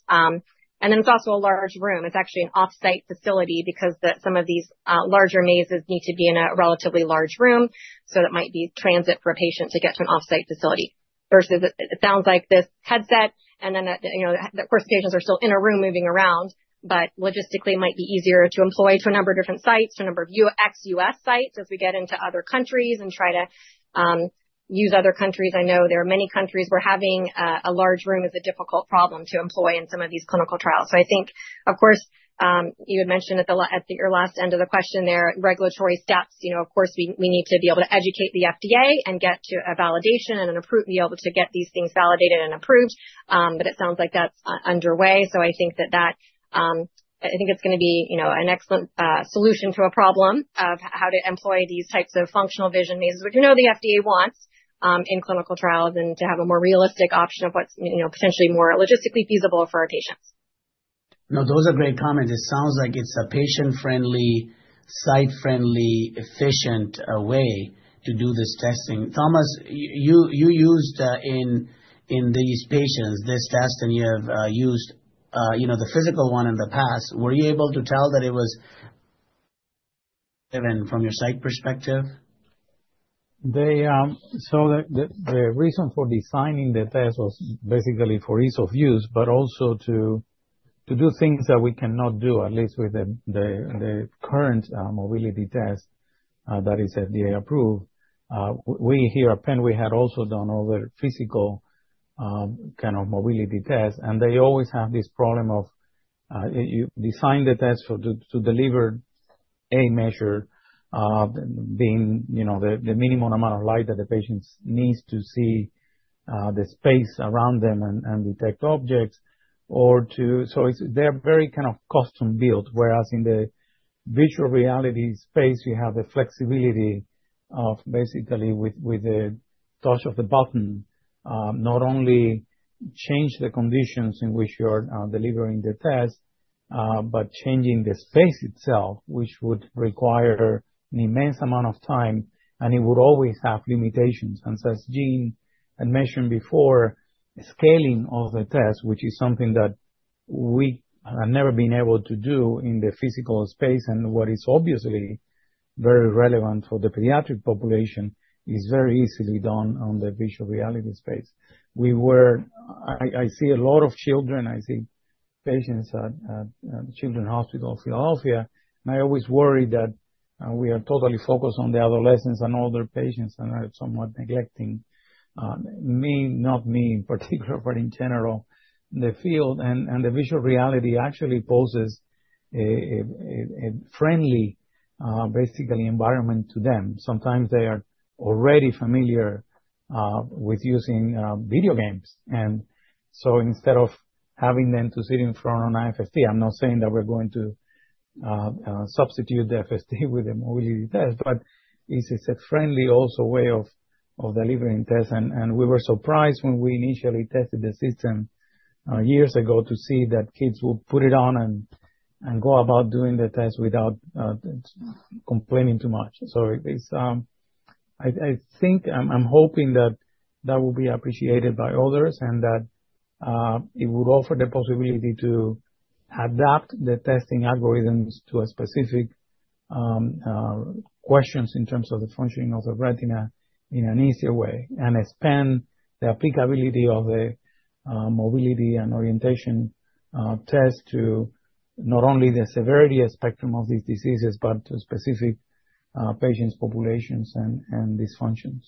It's also a large room. It's actually an off-site facility because some of these larger mazes need to be in a relatively large room. That might be transit for a patient to get to an off-site facility. Versus, it sounds like this headset and then, of course, patients are still in a room moving around, but logistically might be easier to employ to a number of different sites, to a number of ex-U.S. sites as we get into other countries and try to use other countries. I know there are many countries where having a large room is a difficult problem to employ in some of these clinical trials. I think, of course, you had mentioned at your last end of the question there, regulatory steps. Of course, we need to be able to educate the FDA and get to a validation and be able to get these things validated and approved, but it sounds like that's underway. I think it's going to be an excellent solution to a problem of how to employ these types of functional vision mazes, which we know the FDA wants in clinical trials, and to have a more realistic option of what's potentially more logistically feasible for our patients. No, those are great comments. It sounds like it's a patient-friendly, site-friendly, efficient way to do this testing. Tomás, you used in these patients, this test, and you have used the physical one in the past. Were you able to tell that it was from your site perspective? The reason for designing the test was basically for ease of use, but also to do things that we cannot do, at least with the current mobility test that is FDA approved. We here at Penn, we had also done other physical kind of mobility tests, and they always have this problem of you design the test to deliver a measure of being the minimum amount of light that the patients needs to see the space around them and detect objects. They're very custom-built, whereas in the virtual reality space, you have the flexibility of basically with the touch of a button, not only change the conditions in which you're delivering the test, but changing the space itself, which would require an immense amount of time, and it would always have limitations. As Jean had mentioned before, scaling of the test, which is something that we have never been able to do in the physical space and what is obviously very relevant for the pediatric population, is very easily done on the virtual reality space. I see a lot of children. I see patients at Children's Hospital of Philadelphia, and I always worry that we are totally focused on the adolescents and older patients and are somewhat neglecting me, not me in particular, but in general, the field, and the virtual reality actually poses a friendly basically environment to them. Sometimes they are already familiar with using video games. And so instead of having them to sit in front of an FST, I'm not saying that we're going to substitute the FST with the mobility test, but this is a friendly also way of delivering tests. We were surprised when we initially tested the system years ago to see that kids will put it on and go about doing the test without complaining too much. I'm hoping that that will be appreciated by others and that it would offer the possibility to adapt the testing algorithms to specific questions in terms of the functioning of the retina in an easier way, and expand the applicability of the mobility and orientation test to not only the severity spectrum of these diseases, but to specific patient populations and dysfunctions.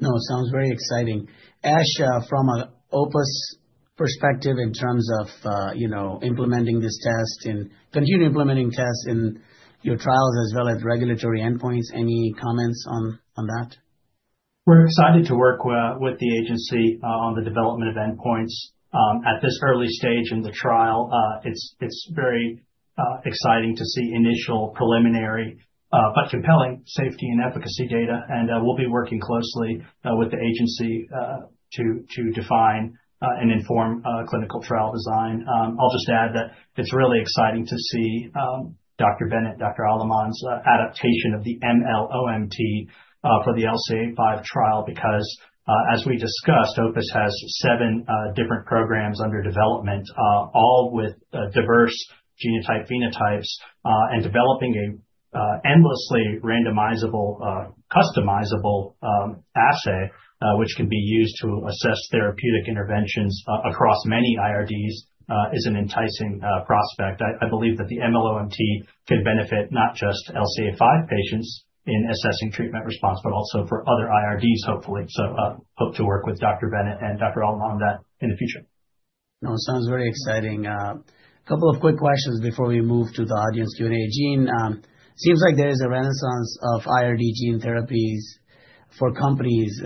No, it sounds very exciting. Ash, from an Opus perspective in terms of implementing this test and continue implementing tests in your trials as well as regulatory endpoints, any comments on that? We're excited to work with the agency on the development of endpoints. At this early stage in the trial, it's very exciting to see initial preliminary, but compelling, safety and efficacy data. We'll be working closely with the agency to define and inform clinical trial design. I'll just add that it's really exciting to see Dr. Bennett, Dr. Alemán's adaptation of the MLOMT for the LCA5 trial because, as we discussed, Opus has seven different programs under development, all with diverse genotype/phenotypes. Developing an endlessly randomizable, customizable assay, which can be used to assess therapeutic interventions across many IRDs, is an enticing prospect. I believe that the MLOMT can benefit not just LCA5 patients in assessing treatment response, but also for other IRDs, hopefully. I hope to work with Dr. Bennett and Dr. Alemán on that in the future. No, it sounds very exciting. A couple of quick questions before we move to the audience Q&A. Jean, it seems like there is a renaissance of IRD gene therapies for companies.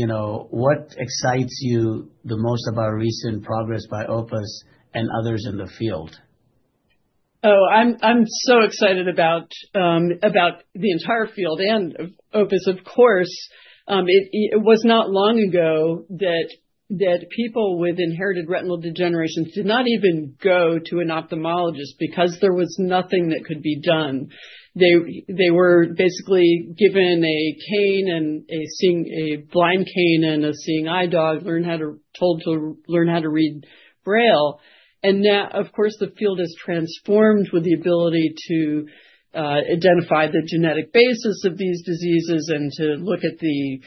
What excites you the most about recent progress by Opus and others in the field? Oh, I'm so excited about the entire field and Opus, of course. It was not long ago that people with inherited retinal degenerations did not even go to an ophthalmologist because there was nothing that could be done. They were basically given a blind cane and a seeing eye dog, told to learn how to read braille. Now, of course, the field has transformed with the ability to identify the genetic basis of these diseases and to look at the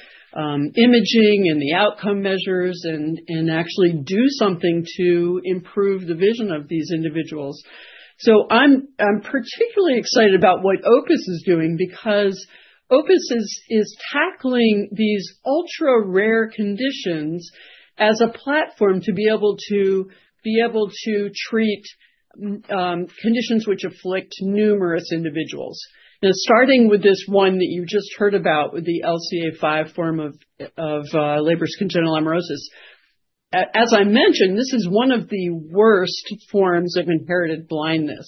imaging and the outcome measures and actually do something to improve the vision of these individuals. I'm particularly excited about what Opus is doing because Opus is tackling these ultra-rare conditions as a platform to be able to treat conditions which afflict numerous individuals. Now, starting with this one that you just heard about with the LCA5 form of Leber congenital amaurosis. As I mentioned, this is one of the worst forms of inherited blindness.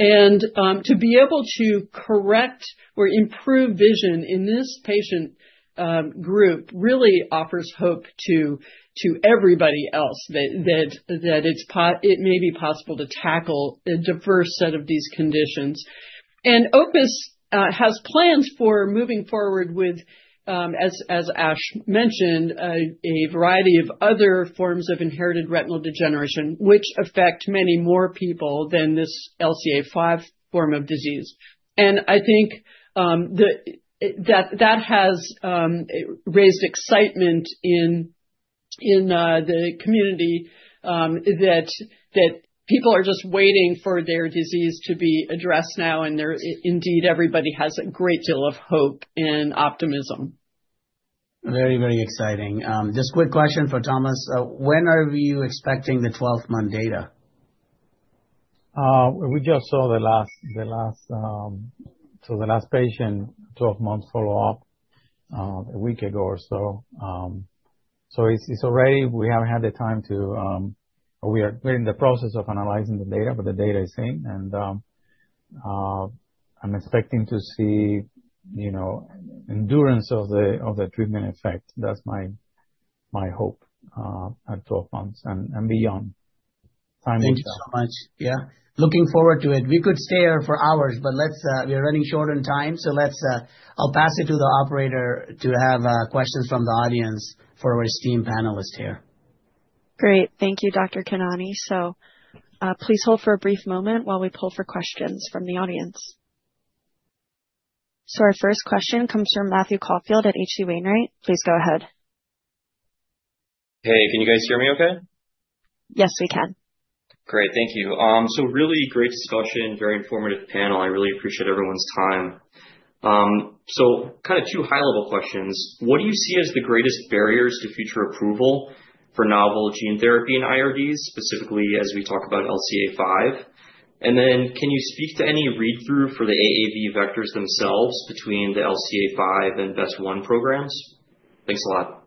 To be able to correct or improve vision in this patient group really offers hope to everybody else that it may be possible to tackle a diverse set of these conditions. Opus has plans for moving forward with, as Ash mentioned, a variety of other forms of inherited retinal degeneration, which affect many more people than this LCA5 form of disease. I think that has raised excitement in the community that people are just waiting for their disease to be addressed now, and indeed, everybody has a great deal of hope and optimism. Very exciting. Just quick question for Tomás. When are you expecting the 12-month data? We just saw the last patient 12-month follow-up a week ago or so. It's already, we are in the process of analyzing the data, but the data is in, and I'm expecting to see endurance of the treatment effect. That's my hope at 12 months and beyond. Time will tell. Thank you so much. Yeah. Looking forward to it. We could stay here for hours, but we are running short on time. I'll pass it to the operator to have questions from the audience for our esteemed panelists here. Great. Thank you, Dr. Khanani. Please hold for a brief moment while we pull for questions from the audience. Our first question comes from Matthew Caufield at H.C. Wainwright. Please go ahead. Hey, can you guys hear me okay? Yes, we can. Great, thank you. Really great discussion, very informative panel. I really appreciate everyone's time. Two high-level questions. What do you see as the greatest barriers to future approval for novel gene therapy in IRDs, specifically as we talk about LCA5? Then can you speak to any read-through for the AAV vectors themselves between the LCA5 and BEST1 programs? Thanks a lot.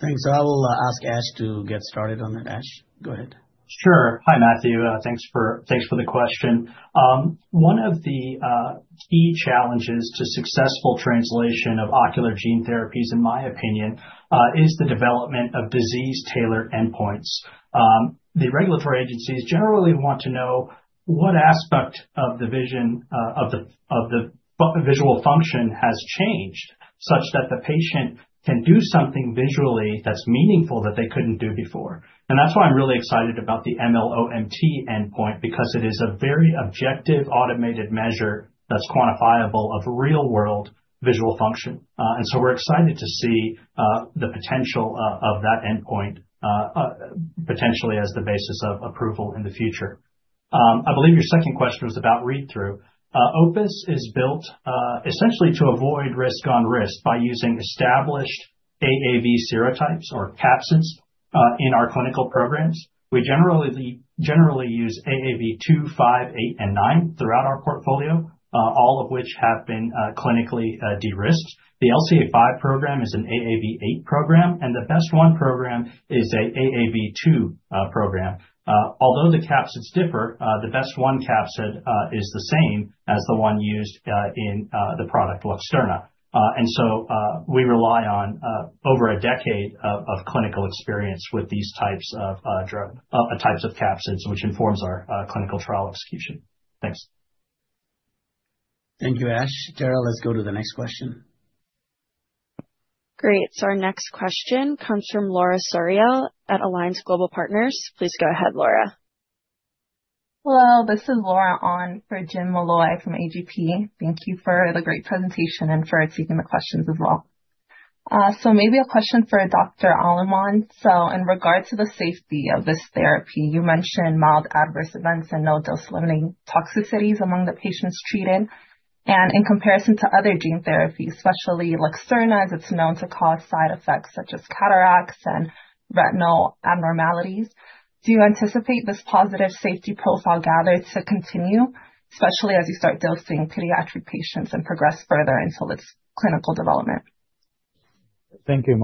Thanks. I will ask Ash to get started on that. Ash, go ahead. Sure. Hi, Matthew. Thanks for the question. One of the key challenges to successful translation of ocular gene therapies, in my opinion, is the development of disease-tailored endpoints. The regulatory agencies generally want to know what aspect of the visual function has changed, such that the patient can do something visually that's meaningful that they couldn't do before. That's why I'm really excited about the MLOMT endpoint because it is a very objective, automated measure that's quantifiable of real-world visual function. We're excited to see the potential of that endpoint, potentially as the basis of approval in the future. I believe your second question was about read-through. Opus is built essentially to avoid risk on risk by using established AAV serotypes or capsids. In our clinical programs, we generally use AAV2, AAV5, AAV8, and AAV9 throughout our portfolio, all of which have been clinically de-risked. The LCA5 program is an AAV8 program, and the BEST1 program is an AAV2 program. Although the capsids differ, the BEST1 capsid is the same as the one used in the product Luxturna. We rely on over a decade of clinical experience with these types of capsids, which informs our clinical trial execution. Thanks. Thank you, Ash. Tara, let's go to the next question. Great. Our next question comes from Laura Suriel at Alliance Global Partners. Please go ahead, Laura. Hello. This is Laura on for James Molloy from AGP. Thank you for the great presentation and for taking the questions as well. Maybe a question for Dr. Aleman. In regard to the safety of this therapy, you mentioned mild adverse events and no dose limiting toxicities among the patients treated. In comparison to other gene therapies, especially Luxturna, as it's known to cause side effects such as cataracts and retinal abnormalities. Do you anticipate this positive safety profile gathered to continue, especially as you start dosing pediatric patients and progress further into this clinical development? Thank you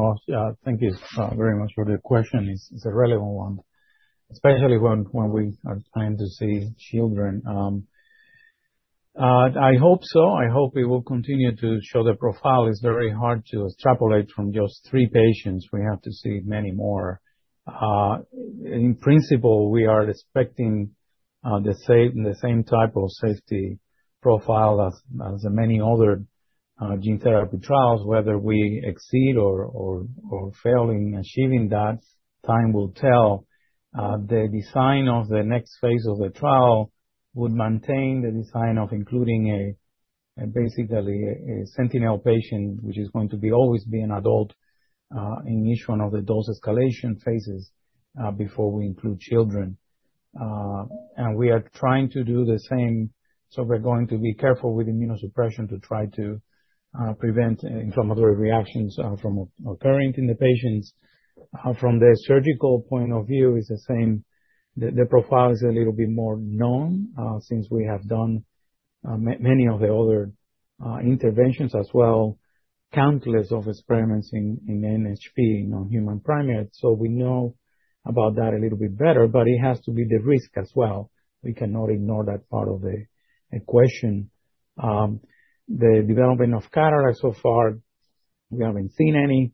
very much for the question. It's a relevant one, especially when we are trying to see children. I hope so. I hope it will continue to show the profile. It's very hard to extrapolate from just three patients. We have to see many more. In principle, we are expecting the same type of safety profile as the many other gene therapy trials. Whether we exceed or fail in achieving that, time will tell. The design of the next phase of the trial would maintain the design of including basically a sentinel patient, which is going to always be an adult, in each one of the dose escalation phases, before we include children. We are trying to do the same, so we're going to be careful with immunosuppression to try to prevent inflammatory reactions from occurring in the patients. From the surgical point of view, it's the same. The profile is a little bit more known, since we have done many of the other interventions as well, countless of experiments in NHP, non-human primates. We know about that a little bit better, but it has to be the risk as well. We cannot ignore that part of the question. The development of cataracts, so far we haven't seen any.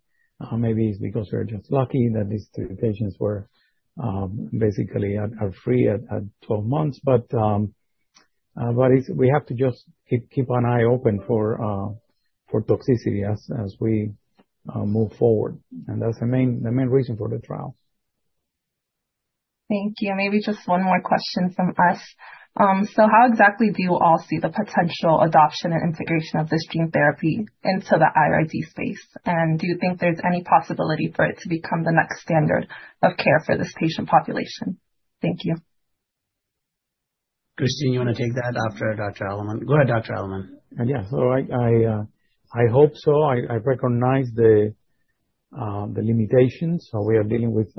Maybe it's because we're just lucky that these three patients were basically free at 12 months. We have to just keep an eye open for toxicity as we move forward. That's the main reason for the trial. Thank you. Maybe just one more question from us. How exactly do you all see the potential adoption and integration of this gene therapy into the IRD space? Do you think there's any possibility for it to become the next standard of care for this patient population? Thank you. Christine, you want to take that after Dr. Aleman? Go ahead, Dr. Aleman. Yeah. I hope so. I recognize the limitations. We are dealing with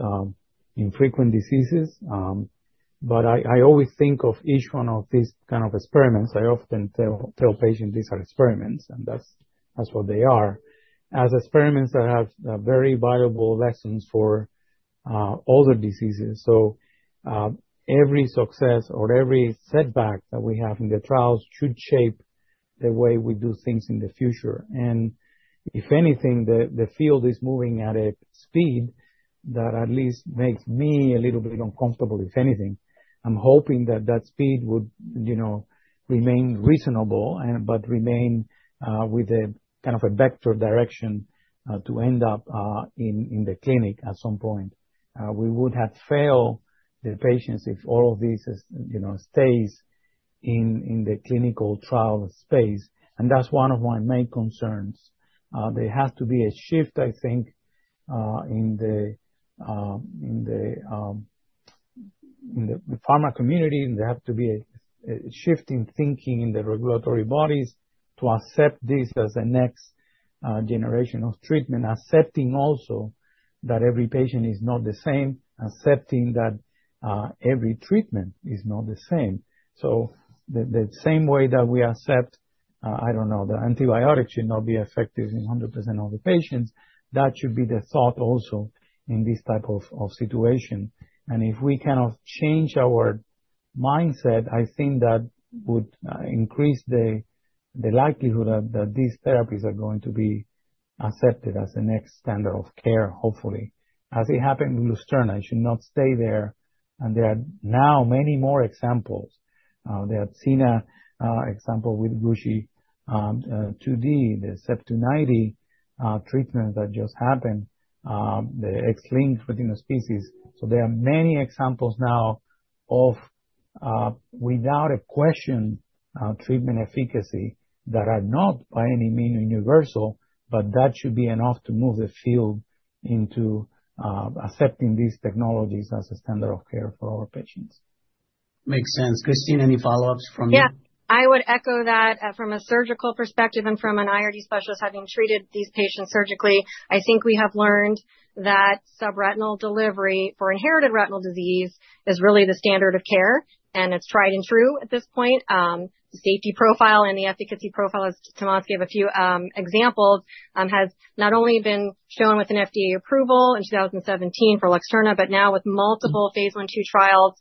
infrequent diseases. I always think of each one of these kind of experiments as experiments that have very valuable lessons for other diseases. I often tell patients these are experiments, and that's what they are. Every success or every setback that we have in the trials should shape the way we do things in the future. If anything, the field is moving at a speed that at least makes me a little bit uncomfortable. If anything, I'm hoping that that speed would remain reasonable, but remain with a kind of a vector direction, to end up in the clinic at some point. We would have failed the patients if all of this stays in the clinical trial space, and that's one of my main concerns. There has to be a shift, I think, in the pharma community, and there has to be a shift in thinking in the regulatory bodies to accept this as a next generation of treatment, accepting also that every patient is not the same, accepting that every treatment is not the same. The same way that we accept, I don't know, the antibiotics should not be effective in 100% of the patients. That should be the thought also in this type of situation. If we kind of change our mindset, I think that would increase the likelihood that these therapies are going to be accepted as the next standard of care, hopefully. As it happened with Luxturna, it should not stay there. There are now many more examples. There are Atsena example with XLRS, 2D, the CEP290 treatment that just happened, the X-linked retinoschisis. There are many examples now of, without question, treatment efficacy that are not by any means universal, but that should be enough to move the field into accepting these technologies as a standard of care for our patients. Makes sense. Christine, any follow-ups from you? Yeah. I would echo that from a surgical perspective and from an IRD specialist having treated these patients surgically. I think we have learned that subretinal delivery for inherited retinal disease is really the standard of care, and it's tried and true at this point. The safety profile and the efficacy profile, as Tomás gave a few examples, has not only been shown with an FDA approval in 2017 for Luxturna, but now with multiple phase I/II trials,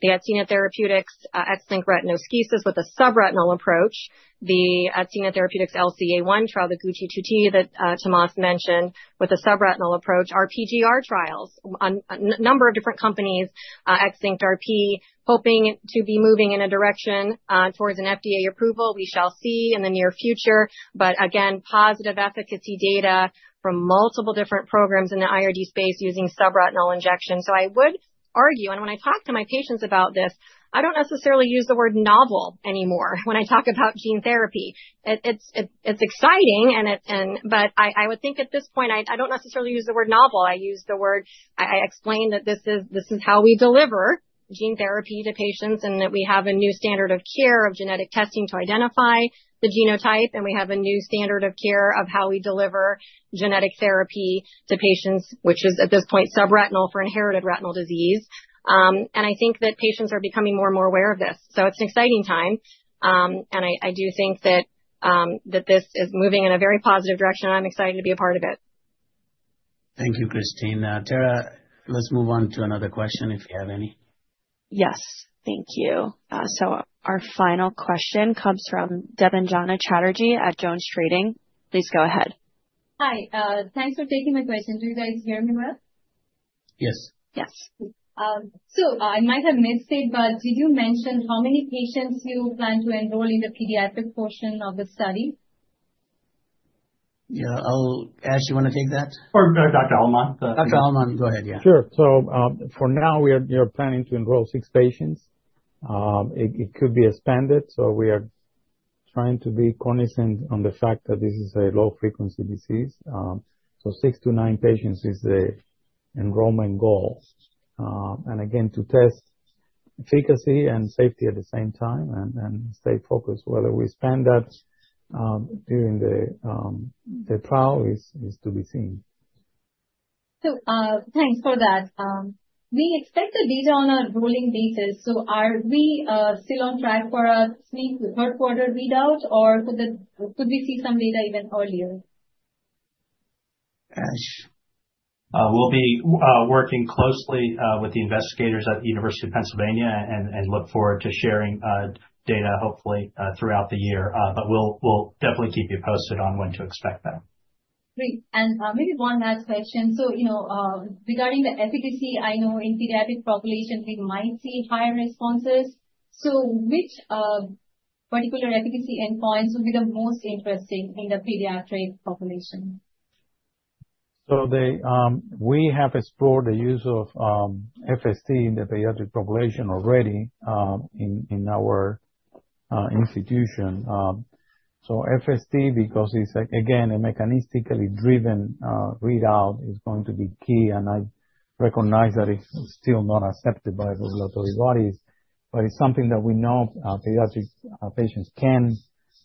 the Atsena Therapeutics X-linked retinoschisis with a subretinal approach, the Atsena Therapeutics LCA1 trial, the GUCY2D that Tomás mentioned with a subretinal approach, RPGR trials on a number of different companies, X-linked RP, hoping to be moving in a direction towards an FDA approval. We shall see in the near future. Again, positive efficacy data from multiple different programs in the IRD space using subretinal injection. I would argue, and when I talk to my patients about this, I don't necessarily use the word novel anymore when I talk about gene therapy. It's exciting, but I would think at this point, I don't necessarily use the word novel. I explain that this is how we deliver gene therapy to patients, and that we have a new standard of care of genetic testing to identify the genotype, and we have a new standard of care of how we deliver gene therapy to patients, which is, at this point, subretinal for inherited retinal disease. I think that patients are becoming more and more aware of this. It's an exciting time, and I do think that this is moving in a very positive direction. I'm excited to be a part of it. Thank you, Christine. Tara, let's move on to another question, if you have any. Yes. Thank you. Our final question comes from Debanjana Chatterjee at JonesTrading. Please go ahead. Hi. Thanks for taking my question. Do you guys hear me well? Yes. Yes. I might have missed it, but did you mention how many patients you plan to enroll in the pediatric portion of the study? Yeah. Ash, you want to take that? Dr. Aleman. Dr. Aleman, go ahead. Yeah. Sure. For now, we are planning to enroll six patients. It could be expanded, so we are trying to be cognizant on the fact that this is a low-frequency disease. six-nine patients is the enrollment goal. Again, to test efficacy and safety at the same time and stay focused, whether we expand that during the trial is to be seen. Thanks for that. We expect the data on a rolling basis. Are we still on track for a sneak third quarter readout, or could we see some data even earlier? Ash? We'll be working closely with the investigators at the University of Pennsylvania and look forward to sharing data, hopefully, throughout the year. We'll definitely keep you posted on when to expect that. Great. Maybe one last question. Regarding the efficacy, I know in pediatric population, we might see higher responses. Which particular efficacy endpoints will be the most interesting in the pediatric population? We have explored the use of FST in the pediatric population already in our institution. FST, because it's, again, a mechanistically driven readout, is going to be key, and I recognize that it's still not accepted by the regulatory bodies, but it's something that we know pediatric patients can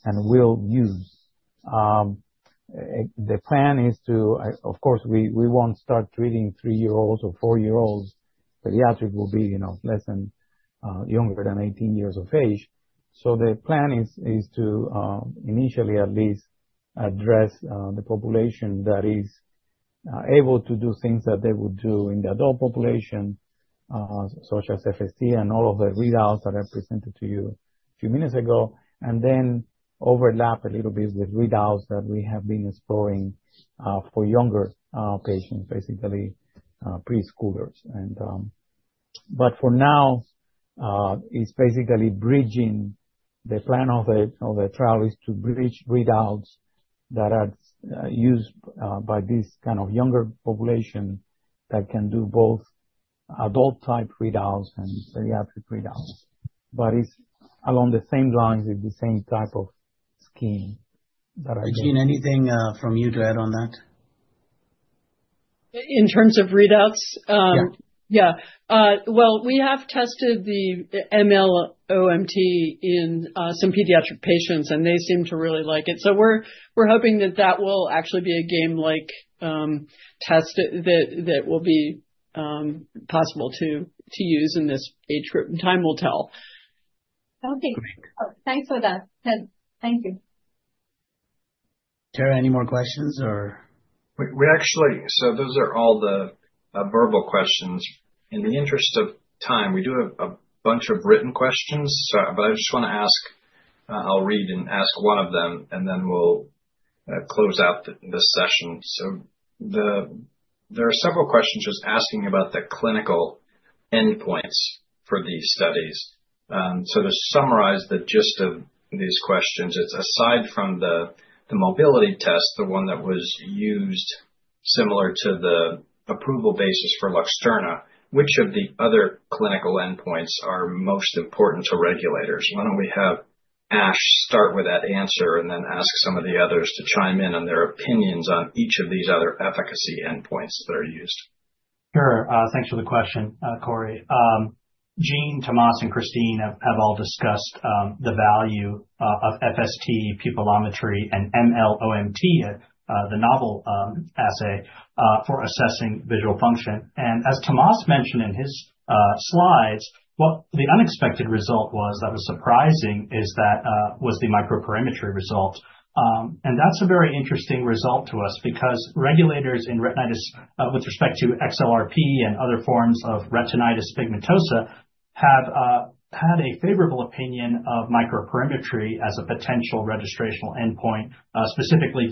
and will use. The plan is to, of course, we won't start treating three-year-olds or four-year-olds. Pediatric will be younger than 18 years of age. The plan is to, initially at least, address the population that is able to do things that they would do in the adult population, such as FST and all of the readouts that I presented to you a few minutes ago, and then overlap a little bit with readouts that we have been exploring for younger patients, basically preschoolers. For now, it's basically bridging the plan of the trial is to bridge readouts that are used by this kind of younger population that can do both adult type readouts and pediatric readouts. It's along the same lines with the same type of scheme that I gave. Jean, anything from you to add on that? In terms of readouts? Yeah. Yeah. Well, we have tested the MLOMT in some pediatric patients, and they seem to really like it. We're hoping that will actually be a game-like test that will be possible to use in this age group, and time will tell. Okay. Thanks for that. Thank you. Tara, any more questions or? Those are all the verbal questions. In the interest of time, we do have a bunch of written questions. I just want to ask, I'll read and ask one of them, and then we'll close out this session. There are several questions just asking about the clinical endpoints for these studies. To summarize the gist of these questions is, aside from the mobility test, the one that was used similar to the approval basis for Luxturna, which of the other clinical endpoints are most important to regulators? Why don't we have Ash, start with that answer and then ask some of the others to chime in on their opinions on each of these other efficacy endpoints that are used. Sure. Thanks for the question, Corey. Jean, Tomás, and Christine have all discussed the value of FST pupillometry and MLOMT as the novel assay for assessing visual function. As Tomás mentioned in his slides, the unexpected result that was surprising is the microperimetry result. That's a very interesting result to us because regulators in retinitis, with respect to XLRP and other forms of retinitis pigmentosa, have had a favorable opinion of microperimetry as a potential registrational endpoint, specifically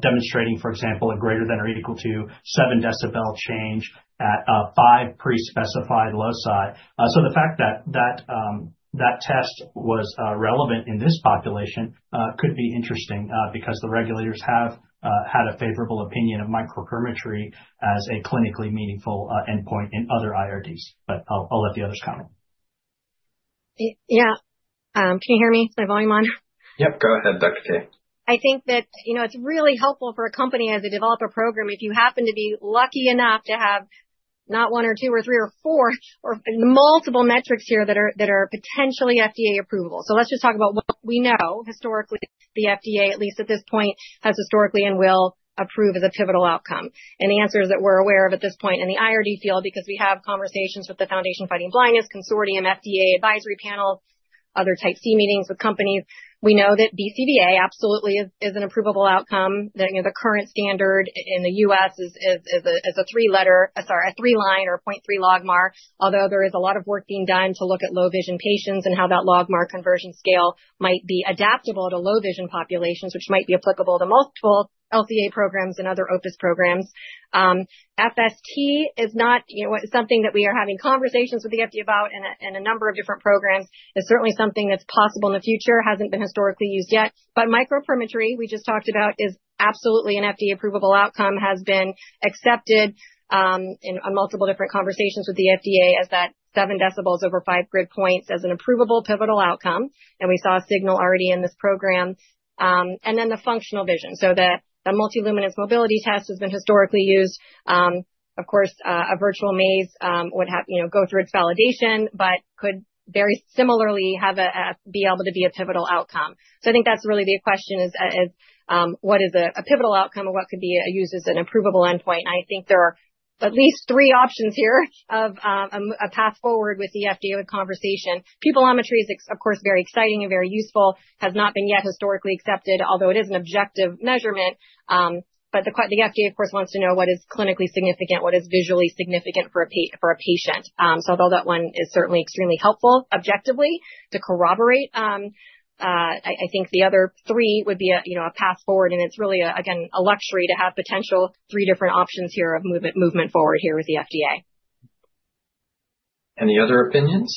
demonstrating, for example, a greater than or equal to seven decibel change at five pre-specified loci. The fact that that test was relevant in this population could be interesting because the regulators have had a favorable opinion of microperimetry as a clinically meaningful endpoint in other IRDs. I'll let the others comment. Yeah. Can you hear me? Is my volume on? Yep. Go ahead, Christine Kay. I think that it's really helpful for a company as they develop a program, if you happen to be lucky enough to have not one or two or three or four or multiple metrics here that are potentially FDA approvable. Let's just talk about what we know historically, the FDA, at least at this point, has historically and will approve as a pivotal outcome. The answers that we're aware of at this point in the IRD field, because we have conversations with the Foundation Fighting Blindness Consortium, FDA advisory panels, other type C meetings with companies. We know that BCVA absolutely is an approvable outcome. That the current standard in the U.S. is a three-line or a 0.3 logMAR. Although there is a lot of work being done to look at low vision patients and how that logMAR conversion scale might be adaptable to low vision populations, which might be applicable to multiple LCA programs and other OPUS programs. FST is not something that we are having conversations with the FDA about in a number of different programs. It's certainly something that's possible in the future, hasn't been historically used yet. Microperimetry, we just talked about, is absolutely an FDA approvable outcome, has been accepted, in multiple different conversations with the FDA as that 7 dB over five grid points as an approvable pivotal outcome. We saw a signal already in this program. The functional Multi-Luminance Mobility Test has been historically used. Of course, a virtual maze would go through its validation, but could very similarly be able to be a pivotal outcome. I think that's really the question is, what is a pivotal outcome and what could be used as an approvable endpoint? I think there are at least three options here of a path forward with the FDA conversation. Pupillometry is, of course, very exciting and very useful, has not been yet historically accepted, although it is an objective measurement. The FDA, of course, wants to know what is clinically significant, what is visually significant for a patient. Although that one is certainly extremely helpful objectively to corroborate, I think the other three would be a path forward, and it's really, again, a luxury to have potential three different options here of movement forward here with the FDA. Any other opinions?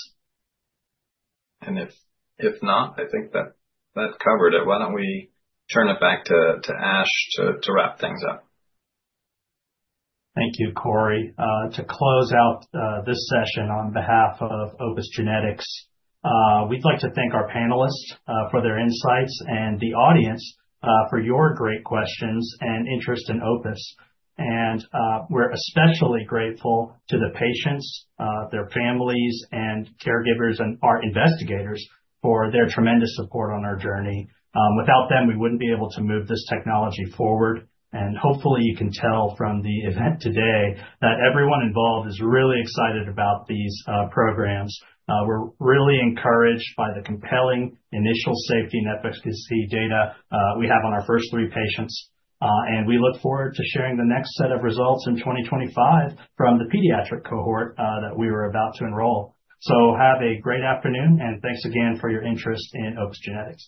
If not, I think that covered it. Why don't we turn it back to Ash to wrap things up. Thank you, Corey. To close out this session, on behalf of Opus Genetics, we'd like to thank our panelists for their insights and the audience for your great questions and interest in Opus. We're especially grateful to the patients, their families and caregivers, and our investigators for their tremendous support on our journey. Without them, we wouldn't be able to move this technology forward. Hopefully, you can tell from the event today that everyone involved is really excited about these programs. We're really encouraged by the compelling initial safety and efficacy data we have on our first three patients. We look forward to sharing the next set of results in 2025 from the pediatric cohort that we are about to enroll. Have a great afternoon, and thanks again for your interest in Opus Genetics.